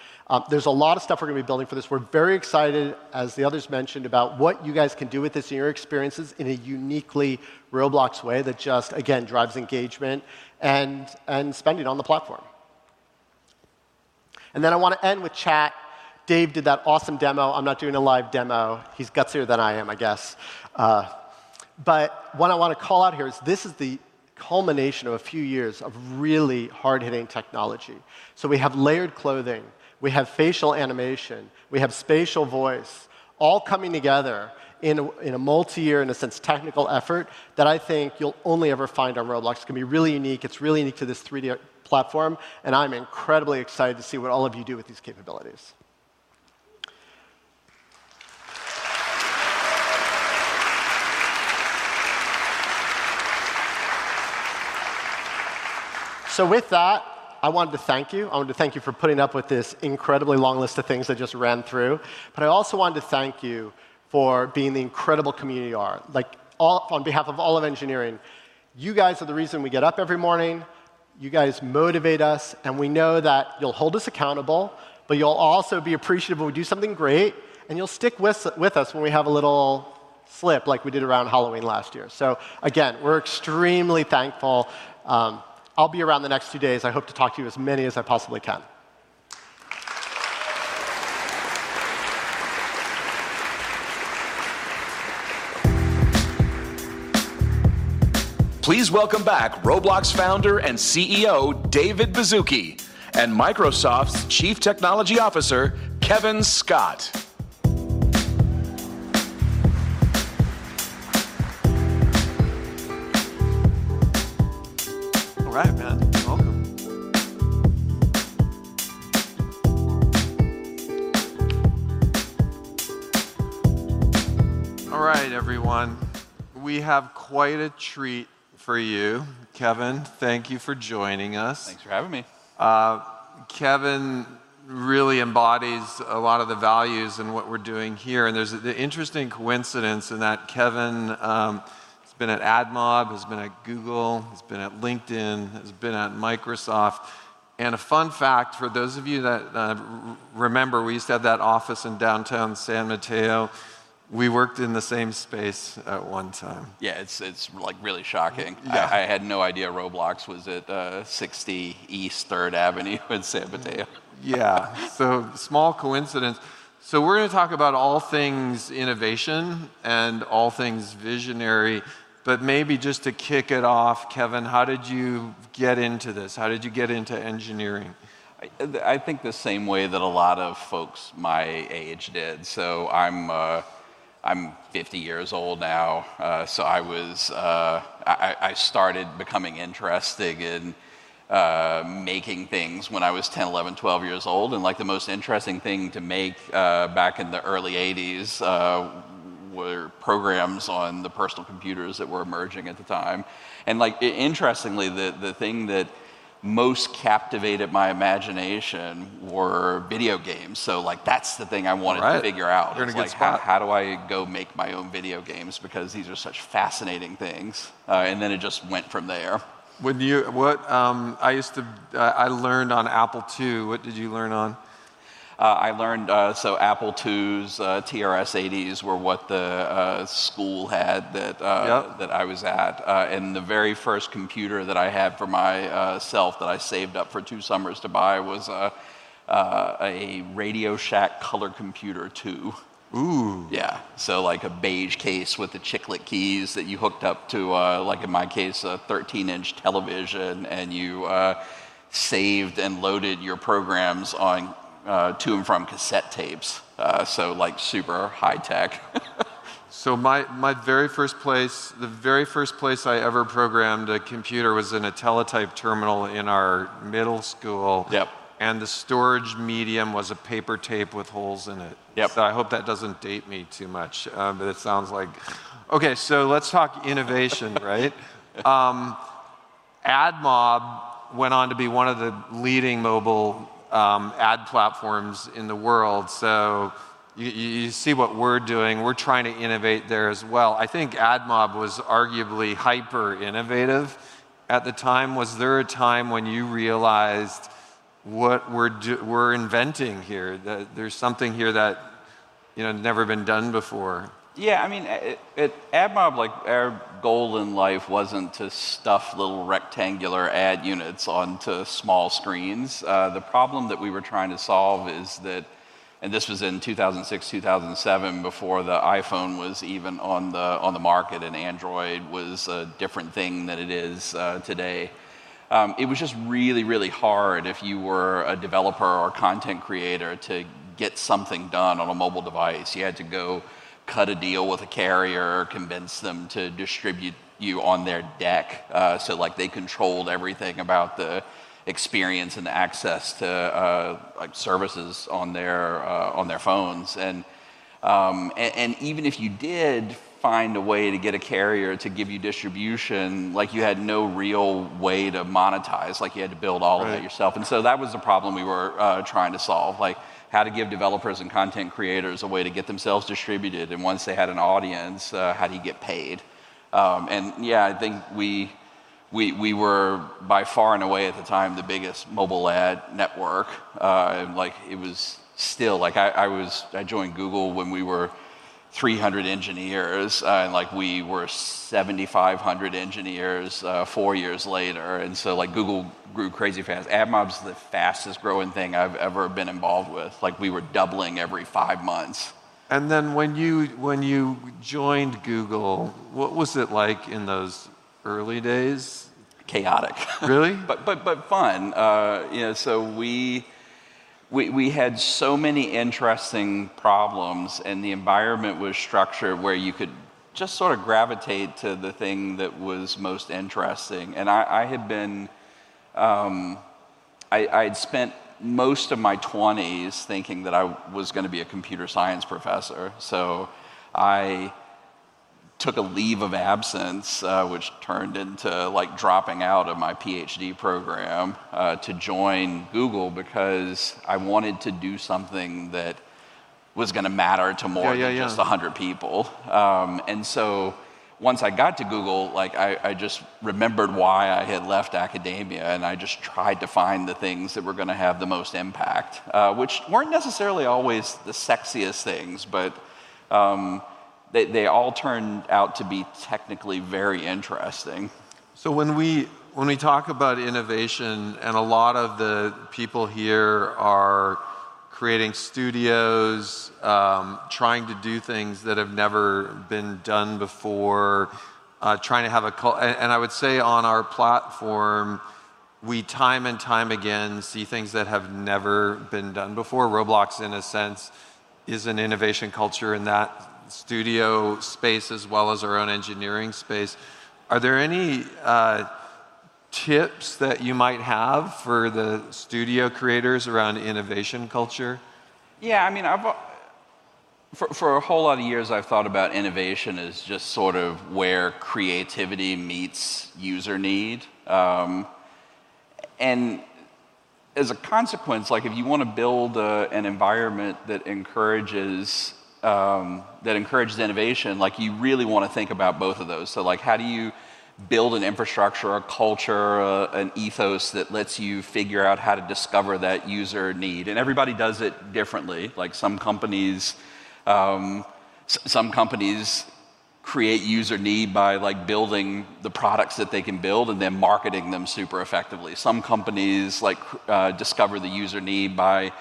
There is a lot of stuff we are going to be building for this. We're very excited, as the others mentioned, about what you guys can do with this in your experiences in a uniquely Roblox way that just, again, drives engagement and spending on the platform. I want to end with chat. Dave did that awesome demo. I'm not doing a live demo. He's gutsier than I am, I guess. What I want to call out here is this is the culmination of a few years of really hard-hitting technology. We have layered clothing. We have facial animation. We have spatial voice, all coming together in a multi-year, in a sense, technical effort that I think you'll only ever find on Roblox. It's going to be really unique. It's really unique to this 3D platform. I'm incredibly excited to see what all of you do with these capabilities. With that, I wanted to thank you. I wanted to thank you for putting up with this incredibly long list of things I just ran through. I also wanted to thank you for being the incredible community you are. On behalf of all of engineering, you guys are the reason we get up every morning. You guys motivate us. We know that you'll hold us accountable. You'll also be appreciative when we do something great. You'll stick with us when we have a little slip like we did around Halloween last year. Again, we're extremely thankful. I'll be around the next two days. I hope to talk to as many as I possibly can. Please welcome back Roblox Founder and CEO David Baszucki and Microsoft's Chief Technology Officer Kevin Scott. All right, man. Welcome. All right, everyone. We have quite a treat for you. Kevin, thank you for joining us. Thanks for having me. Kevin really embodies a lot of the values and what we're doing here. There's the interesting coincidence in that Kevin has been at AdMob, has been at Google, has been at LinkedIn, has been at Microsoft. A fun fact for those of you that remember, we used to have that office in downtown San Mateo. We worked in the same space at one time. Yeah, it's really shocking. I had no idea Roblox was at 60 East 3rd Avenue in San Mateo. Yeah, small coincidence. We're going to talk about all things innovation and all things visionary. Maybe just to kick it off, Kevin, how did you get into this? How did you get into engineering? I think the same way that a lot of folks my age did. I'm 50 years old now. I started becoming interested in making things when I was 10, 11, 12 years old. The most interesting thing to make back in the early 1980s were programs on the personal computers that were emerging at the time. Interestingly, the thing that most captivated my imagination were video games. That's the thing I wanted to figure out. You're going to get spot. How do I go make my own video games? These are such fascinating things. It just went from there. I learned on Apple II. What did you learn on? I learned, so Apple IIs, TRS-80s were what the school had that I was at. The very first computer that I had for myself that I saved up for two summers to buy was a RadioShack Color Computer 2. Ooh. Yeah, so like a beige case with the chiclet keys that you hooked up to, like in my case, a 13-inch television. And you saved and loaded your programs on to and from cassette tapes. So super high tech. My very first place, the very first place I ever programmed a computer was in a teletype terminal in our middle school. The storage medium was a paper tape with holes in it. I hope that does not date me too much. It sounds like. OK, let's talk innovation, right? AdMob went on to be one of the leading mobile ad platforms in the world. You see what we are doing. We are trying to innovate there as well. I think AdMob was arguably hyper-innovative at the time. Was there a time when you realized what we are inventing here? There is something here that had never been done before. Yeah, I mean, at AdMob, our goal in life was not to stuff little rectangular ad units onto small screens. The problem that we were trying to solve is that, and this was in 2006, 2007, before the iPhone was even on the market and Android was a different thing than it is today. It was just really, really hard if you were a developer or content creator to get something done on a mobile device. You had to go cut a deal with a carrier, convince them to distribute you on their deck. They controlled everything about the experience and access to services on their phones. Even if you did find a way to get a carrier to give you distribution, you had no real way to monetize. You had to build all of it yourself. That was the problem we were trying to solve, how to give developers and content creators a way to get themselves distributed. Once they had an audience, how do you get paid? Yeah, I think we were, by far and away at the time, the biggest mobile ad network. I joined Google when we were 300 engineers. We were 7,500 engineers four years later. Google grew crazy fast. AdMob's the fastest growing thing I've ever been involved with. We were doubling every five months. When you joined Google, what was it like in those early days? Chaotic. Really? Fun. We had so many interesting problems. The environment was structured where you could just sort of gravitate to the thing that was most interesting. I had spent most of my 20s thinking that I was going to be a computer science professor. I took a leave of absence, which turned into dropping out of my PhD program to join Google because I wanted to do something that was going to matter to more than just 100 people. Once I got to Google, I just remembered why I had left academia. I just tried to find the things that were going to have the most impact, which were not necessarily always the sexiest things. They all turned out to be technically very interesting. When we talk about innovation, and a lot of the people here are creating studios, trying to do things that have never been done before, trying to have a, and I would say on our platform, we time and time again see things that have never been done before. Roblox, in a sense, is an innovation culture in that studio space as well as our own engineering space. Are there any tips that you might have for the studio creators around innovation culture? Yeah, I mean, for a whole lot of years, I've thought about innovation as just sort of where creativity meets user need. And as a consequence, if you want to build an environment that encourages innovation, you really want to think about both of those. How do you build an infrastructure, a culture, an ethos that lets you figure out how to discover that user need? Everybody does it differently. Some companies create user need by building the products that they can build and then marketing them super effectively. Some companies discover the user need by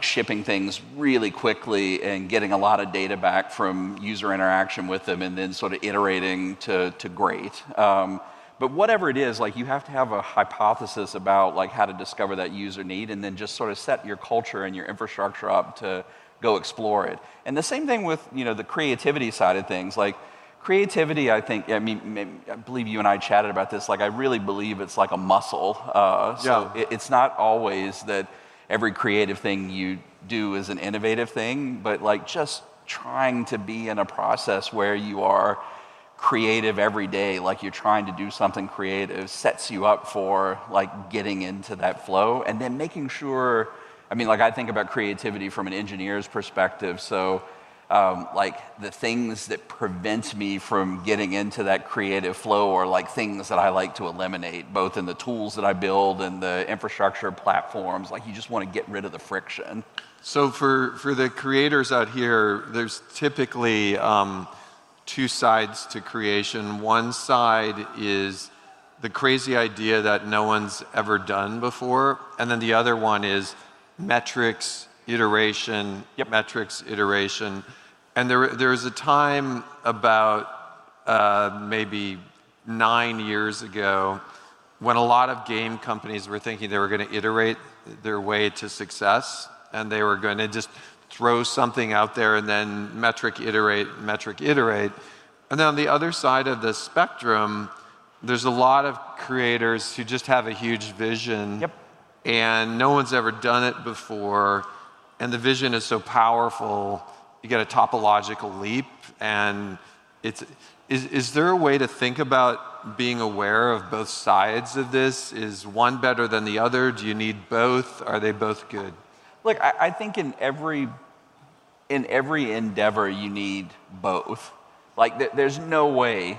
shipping things really quickly and getting a lot of data back from user interaction with them and then sort of iterating to great. Whatever it is, you have to have a hypothesis about how to discover that user need and then just sort of set your culture and your infrastructure up to go explore it. The same thing with the creativity side of things. Creativity, I think, I believe you and I chatted about this. I really believe it's like a muscle. It's not always that every creative thing you do is an innovative thing. Just trying to be in a process where you are creative every day, like you're trying to do something creative, sets you up for getting into that flow. I mean, I think about creativity from an engineer's perspective. The things that prevent me from getting into that creative flow are things that I like to eliminate, both in the tools that I build and the infrastructure platforms. You just want to get rid of the friction. For the creators out here, there's typically two sides to creation. One side is the crazy idea that no one's ever done before. The other one is metrics, iteration, metrics, iteration. There was a time about maybe nine years ago when a lot of game companies were thinking they were going to iterate their way to success. They were going to just throw something out there and then metric, iterate, metric, iterate. On the other side of the spectrum, there are a lot of creators who just have a huge vision. No one's ever done it before. The vision is so powerful, you get a topological leap. Is there a way to think about being aware of both sides of this? Is one better than the other? Do you need both? Are they both good? Look, I think in every endeavor you need both. There's no way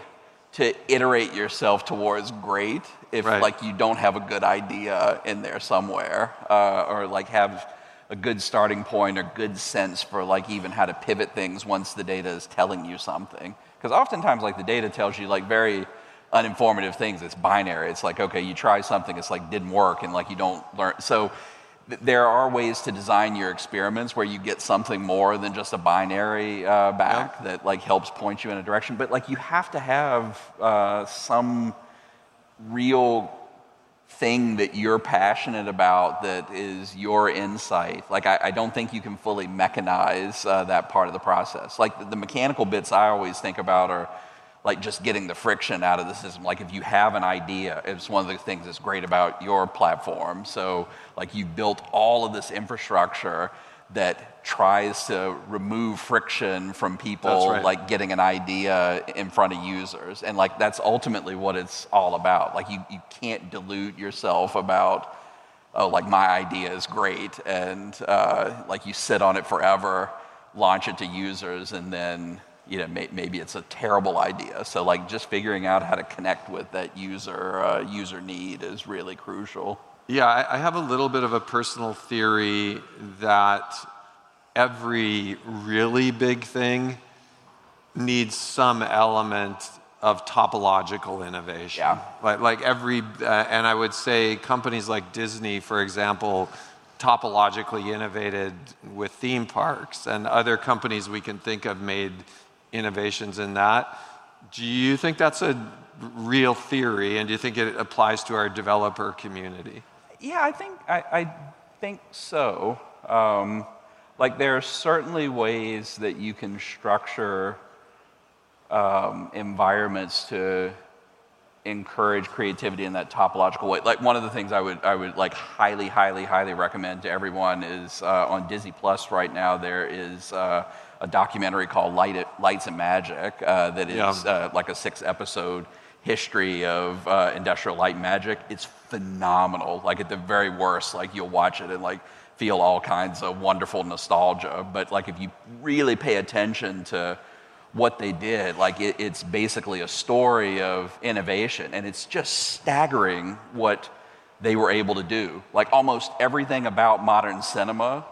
to iterate yourself towards great if you don't have a good idea in there somewhere or have a good starting point or good sense for even how to pivot things once the data is telling you something. Because oftentimes, the data tells you very uninformative things. It's binary. It's like, OK, you try something. It's like didn't work. And you don't learn. There are ways to design your experiments where you get something more than just a binary back that helps point you in a direction. You have to have some real thing that you're passionate about that is your insight. I don't think you can fully mechanize that part of the process. The mechanical bits I always think about are just getting the friction out of the system. If you have an idea, it's one of the things that's great about your platform. You've built all of this infrastructure that tries to remove friction from people getting an idea in front of users. That's ultimately what it's all about. You can't dilute yourself about, oh, my idea is great. You sit on it forever, launch it to users, and then maybe it's a terrible idea. Just figuring out how to connect with that user need is really crucial. I have a little bit of a personal theory that every really big thing needs some element of topological innovation. I would say companies like Disney, for example, topologically innovated with theme parks. Other companies we can think of made innovations in that. Do you think that's a real theory? Do you think it applies to our developer community? Yeah, I think so. There are certainly ways that you can structure environments to encourage creativity in that topological way. One of the things I would highly, highly, highly recommend to everyone is on Disney+ right now, there is a documentary called "Lights and Magic" that is like a six-episode history of Industrial Light & Magic. It's phenomenal. At the very worst, you'll watch it and feel all kinds of wonderful nostalgia. If you really pay attention to what they did, it's basically a story of innovation. It's just staggering what they were able to do. Almost everything about modern cinema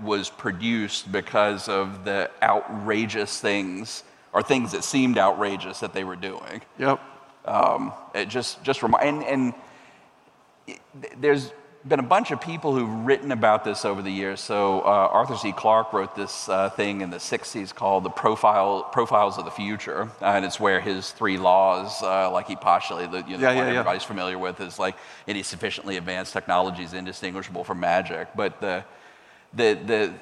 was produced because of the outrageous things or things that seemed outrageous that they were doing. There's been a bunch of people who've written about this over the years. So Arthur C. Clarke wrote this thing in the 1960s called the "Profiles of the Future." It is where his three laws, like he postulated, everybody's familiar with, is like any sufficiently advanced technology is indistinguishable from magic. The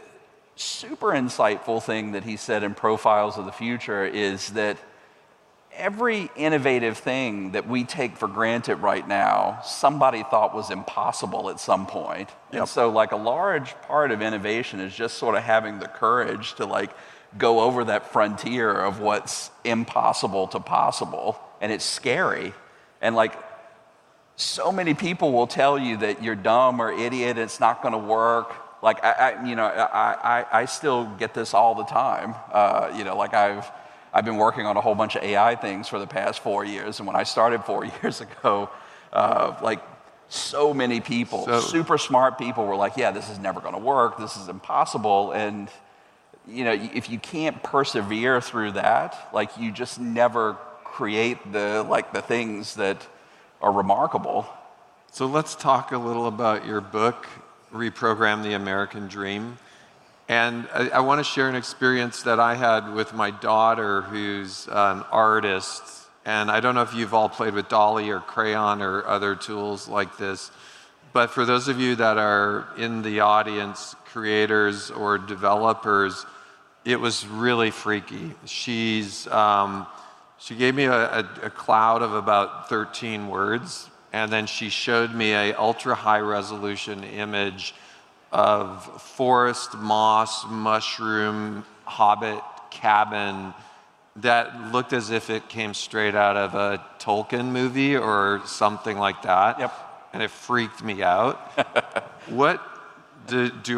super insightful thing that he said in "Profiles of the Future" is that every innovative thing that we take for granted right now, somebody thought was impossible at some point. A large part of innovation is just sort of having the courage to go over that frontier of what's impossible to possible. It is scary. So many people will tell you that you're dumb or idiot. It's not going to work. I still get this all the time. I've been working on a whole bunch of AI things for the past four years. When I started four years ago, so many people, super smart people, were like, yeah, this is never going to work. This is impossible. If you cannot persevere through that, you just never create the things that are remarkable. Let's talk a little about your book, "Reprogram the American Dream." I want to share an experience that I had with my daughter, who's an artist. I do not know if you have all played with DALL-E or Craiyon or other tools like this. For those of you that are in the audience, creators or developers, it was really freaky. She gave me a cloud of about 13 words. Then she showed me an ultra-high-resolution image of forest, moss, mushroom, hobbit, cabin that looked as if it came straight out of a Tolkien movie or something like that. It freaked me out. Will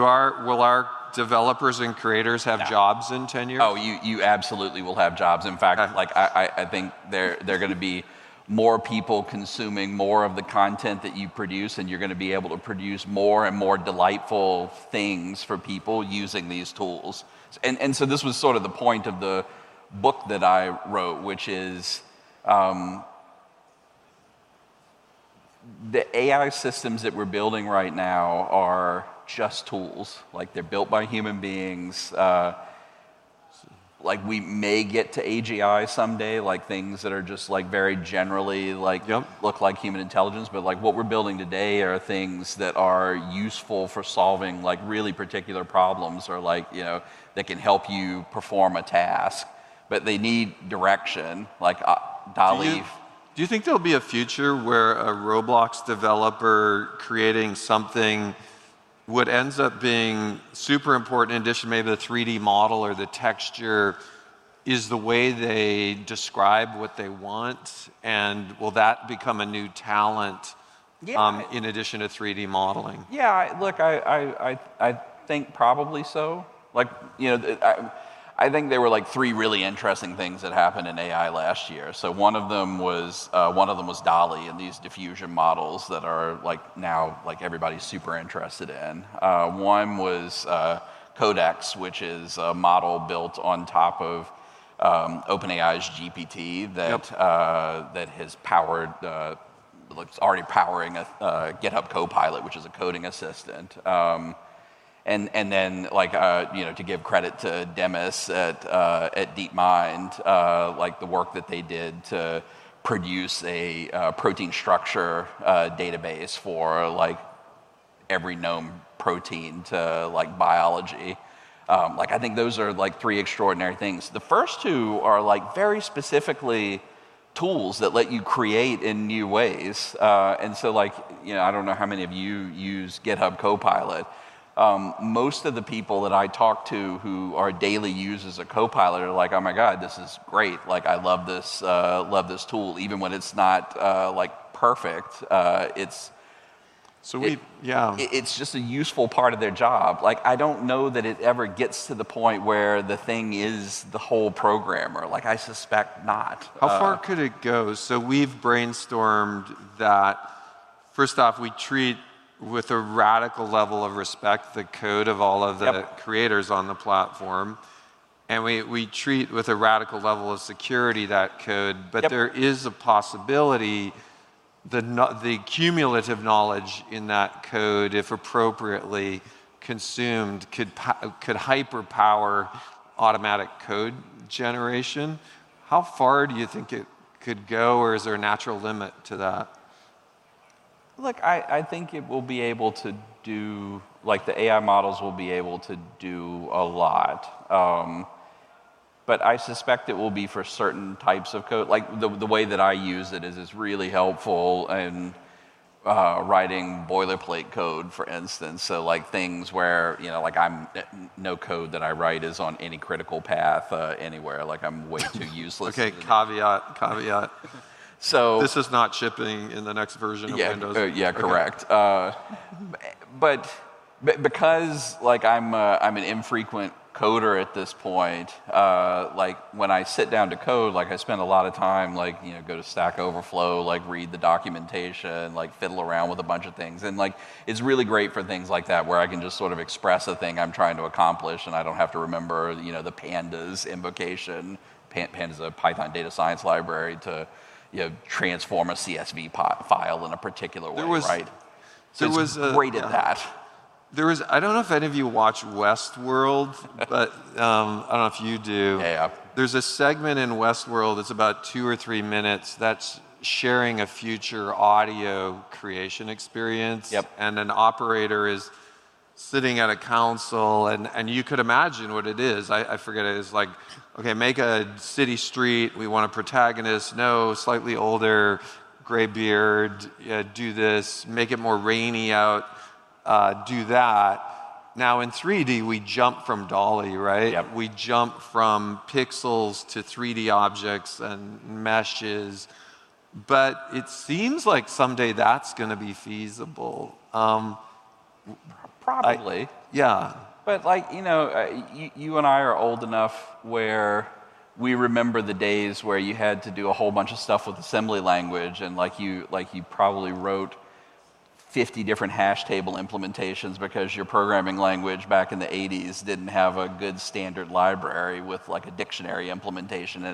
our developers and creators have jobs in 10 years? Oh, you absolutely will have jobs. In fact, I think there are going to be more people consuming more of the content that you produce. You're going to be able to produce more and more delightful things for people using these tools. This was sort of the point of the book that I wrote, which is the AI systems that we're building right now are just tools. They're built by human beings. We may get to AGI someday, things that are just very generally look like human intelligence. What we're building today are things that are useful for solving really particular problems that can help you perform a task. They need direction. DALL-E. Do you think there'll be a future where a Roblox developer creating something what ends up being super important in addition to maybe the 3D model or the texture is the way they describe what they want? And will that become a new talent in addition to 3D modeling? Yeah, look, I think probably so. I think there were three really interesting things that happened in AI last year. One of them was DALL-E and these diffusion models that are now everybody's super interested in. One was Codex, which is a model built on top of OpenAI's GPT that has powered it's already powering GitHub Copilot, which is a coding assistant. Then, to give credit to Demis at DeepMind, the work that they did to produce a protein structure database for every known protein to biology. I think those are three extraordinary things. The first two are very specifically tools that let you create in new ways. I don't know how many of you use GitHub Copilot. Most of the people that I talk to who are daily users of Copilot are like, oh my god, this is great. I love this tool. Even when it's not perfect, it's just a useful part of their job. I don't know that it ever gets to the point where the thing is the whole programmer. I suspect not. How far could it go? We have brainstormed that. First off, we treat with a radical level of respect the code of all of the creators on the platform. We treat with a radical level of security that code. There is a possibility the cumulative knowledge in that code, if appropriately consumed, could hyperpower automatic code generation. How far do you think it could go? Or is there a natural limit to that? Look, I think it will be able to do, the AI models will be able to do a lot. I suspect it will be for certain types of code. The way that I use it is really helpful in writing boilerplate code, for instance. Things where no code that I write is on any critical path anywhere. I'm way too useless. OK, caveat. Caveat. This is not shipping in the next version of Windows. Yeah, correct. Because I'm an infrequent coder at this point, when I sit down to code, I spend a lot of time, go to Stack Overflow, read the documentation, fiddle around with a bunch of things. It's really great for things like that, where I can just sort of express a thing I'm trying to accomplish. I do not have to remember the Pandas invocation. Pandas is a Python data science library to transform a CSV file in a particular way. I do not know if any of you watch Westworld. I do not know if you do. There is a segment in Westworld that is about two or three minutes that is sharing a future audio creation experience. An operator is sitting at a console. You could imagine what it is. I forget it. It is like, okay, make a city street. We want a protagonist. No, slightly older, gray beard. Do this. Make it more rainy out. Do that. Now in 3D, we jump from DALL-E, right? We jump from pixels to 3D objects and meshes. It seems like someday that is going to be feasible. Probably. Yeah. You and I are old enough where we remember the days where you had to do a whole bunch of stuff with Assembly language. You probably wrote 50 different hash table implementations because your programming language back in the 1980s did not have a good standard library with a dictionary implementation.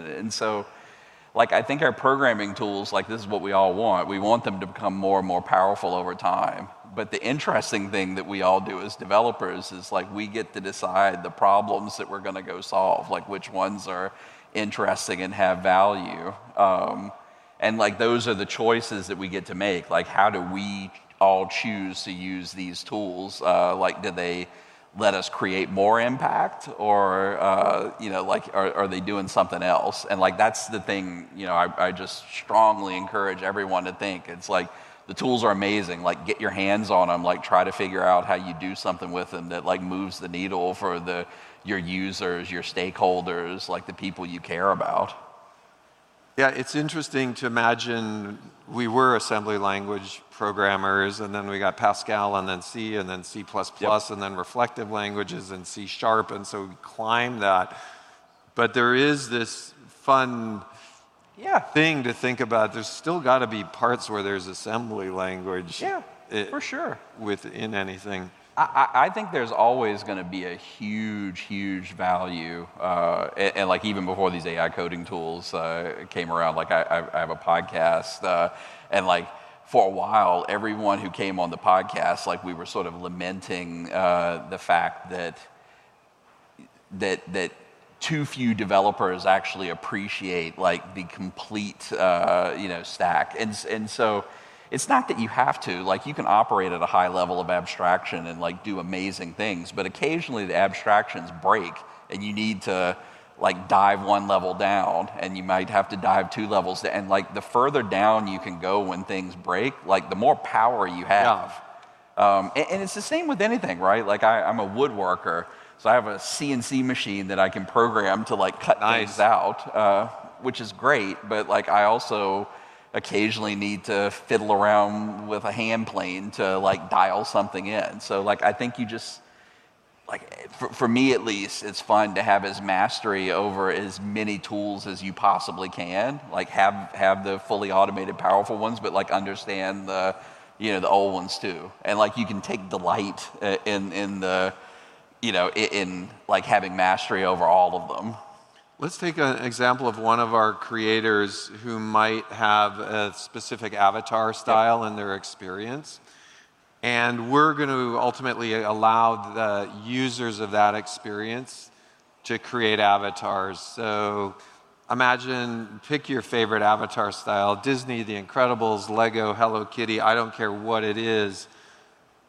I think our programming tools, this is what we all want. We want them to become more and more powerful over time. The interesting thing that we all do as developers is we get to decide the problems that we are going to go solve, which ones are interesting and have value. Those are the choices that we get to make. How do we all choose to use these tools? Do they let us create more impact? Or are they doing something else? That is the thing I just strongly encourage everyone to think. It's like the tools are amazing. Get your hands on them. Try to figure out how you do something with them that moves the needle for your users, your stakeholders, the people you care about. Yeah, it's interesting to imagine we were assembly language programmers. And then we got Pascal and then C and then C++ and then reflective languages and C#. And so we climbed that. There is this fun thing to think about. There's still got to be parts where there's assembly language. Yeah, for sure. Within anything. I think there's always going to be a huge, huge value. Even before these AI coding tools came around, I have a podcast. For a while, everyone who came on the podcast, we were sort of lamenting the fact that too few developers actually appreciate the complete stack. It's not that you have to. You can operate at a high level of abstraction and do amazing things. Occasionally, the abstractions break. You need to dive one level down. You might have to dive two levels. The further down you can go when things break, the more power you have. It is the same with anything, right? I'm a woodworker. I have a CNC machine that I can program to cut things out, which is great. I also occasionally need to fiddle around with a hand plane to dial something in. I think you just, for me at least, it's fun to have as mastery over as many tools as you possibly can. Have the fully automated, powerful ones. Understand the old ones too. You can take delight in having mastery over all of them. Let's take an example of one of our creators who might have a specific avatar style in their experience. We're going to ultimately allow the users of that experience to create avatars. Imagine, pick your favorite avatar style, Disney, The Incredibles, Lego, Hello Kitty. I don't care what it is.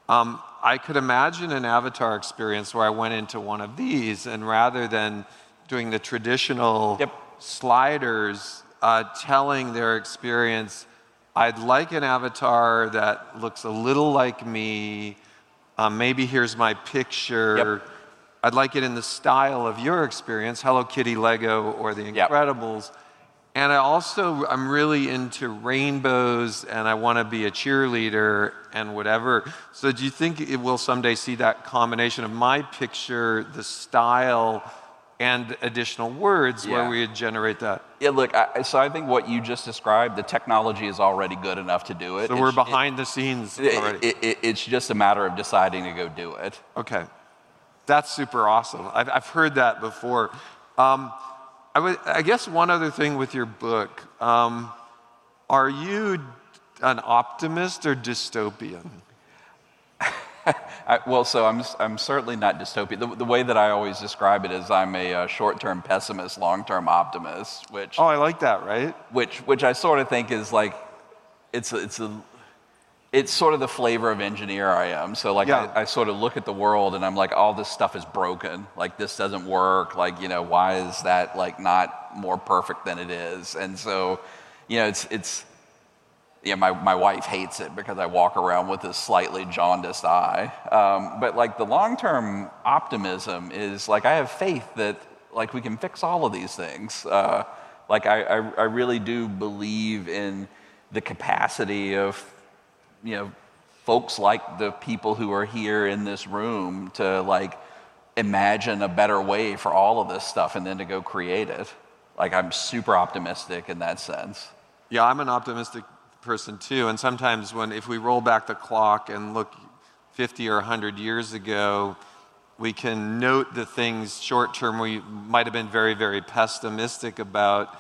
I could imagine an avatar experience where I went into one of these. Rather than doing the traditional sliders, telling their experience, I'd like an avatar that looks a little like me. Maybe here's my picture. I'd like it in the style of your experience, Hello Kitty, Lego, or The Incredibles. I'm also really into rainbows. I want to be a cheerleader and whatever. Do you think it will someday see that combination of my picture, the style, and additional words where we would generate that? Yeah, look, so I think what you just described, the technology is already good enough to do it. So we're behind the scenes already. It's just a matter of deciding to go do it. Okay. That's super awesome. I've heard that before. I guess one other thing with your book. Are you an optimist or dystopian? I'm certainly not dystopian. The way that I always describe it is I'm a short-term pessimist, long-term optimist, which. Oh, I like that, right? Which I sort of think is it's sort of the flavor of engineer I am. I sort of look at the world. And I'm like, all this stuff is broken. This doesn't work. Why is that not more perfect than it is? My wife hates it because I walk around with a slightly jaundiced eye. The long-term optimism is I have faith that we can fix all of these things. I really do believe in the capacity of folks like the people who are here in this room to imagine a better way for all of this stuff and then to go create it. I'm super optimistic in that sense. Yeah, I'm an optimistic person too. Sometimes if we roll back the clock and look 50 or 100 years ago, we can note the things short-term we might have been very, very pessimistic about.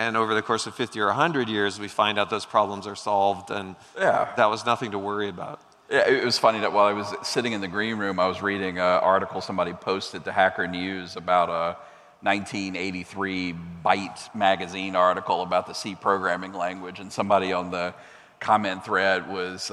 Over the course of 50 or 100 years, we find out those problems are solved. That was nothing to worry about. Yeah, it was funny that while I was sitting in the green room, I was reading an article somebody posted to Hacker News about a 1983 BYTE magazine article about the C programming language. Somebody on the comment thread was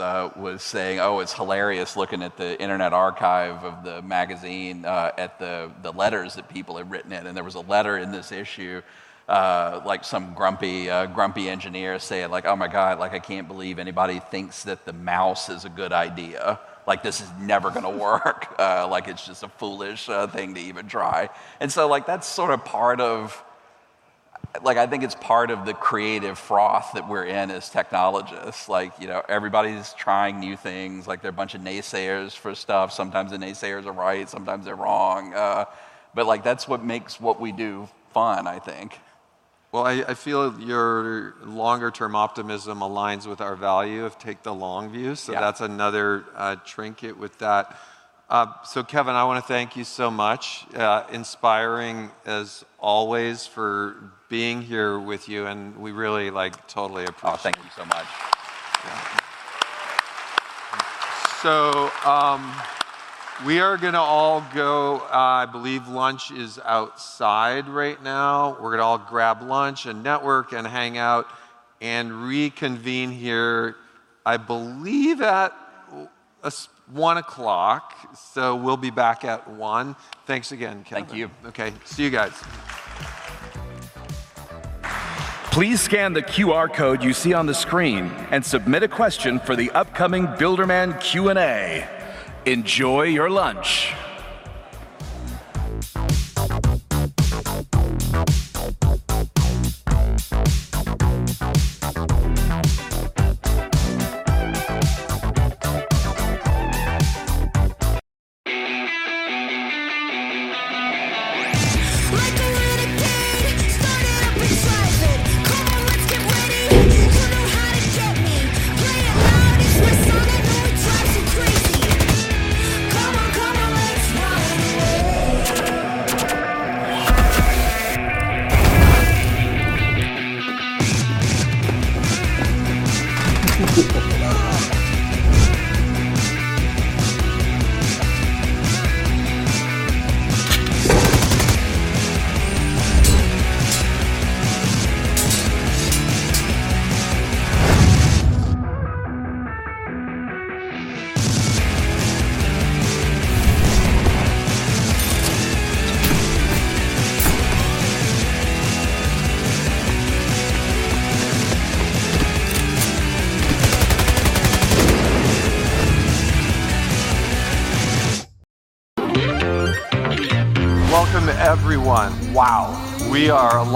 saying, oh, it's hilarious looking at the internet archive of the magazine at the letters that people have written in. There was a letter in this issue, some grumpy engineer saying, oh my god, I can't believe anybody thinks that the mouse is a good idea. This is never going to work. It's just a foolish thing to even try. That is sort of part of, I think, it's part of the creative froth that we're in as technologists. Everybody's trying new things. There are a bunch of naysayers for stuff. Sometimes the naysayers are right. Sometimes they're wrong. That is what makes what we do fun, I think. I feel your longer-term optimism aligns with our value of take the long view. That is another trinket with that. Kevin, I want to thank you so much, inspiring as always, for being here with you. We really totally appreciate it. Oh, thank you so much. We are going to all go. I believe lunch is outside right now. We're going to all grab lunch and network and hang out and reconvene here, I believe, at 1:00 P.M. We'll be back at 1:00 P.M. Thanks again, Kevin. Thank you. OK, see you guys. Please scan the QR code you see on the screen and submit a question for the upcoming Builderman Q&A. Enjoy your lunch.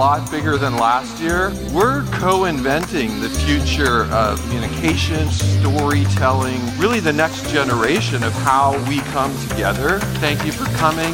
Like a little kid, started up and driving. Come on, let's get ready. You know how to get me. Play it loud. It's my song. I know it drives you crazy. Come on, come on, let's ride away. Welcome, everyone. Wow, we are a lot bigger than last year. We're co-inventing the future of communication, storytelling, really the next generation of how we come together. Thank you for coming.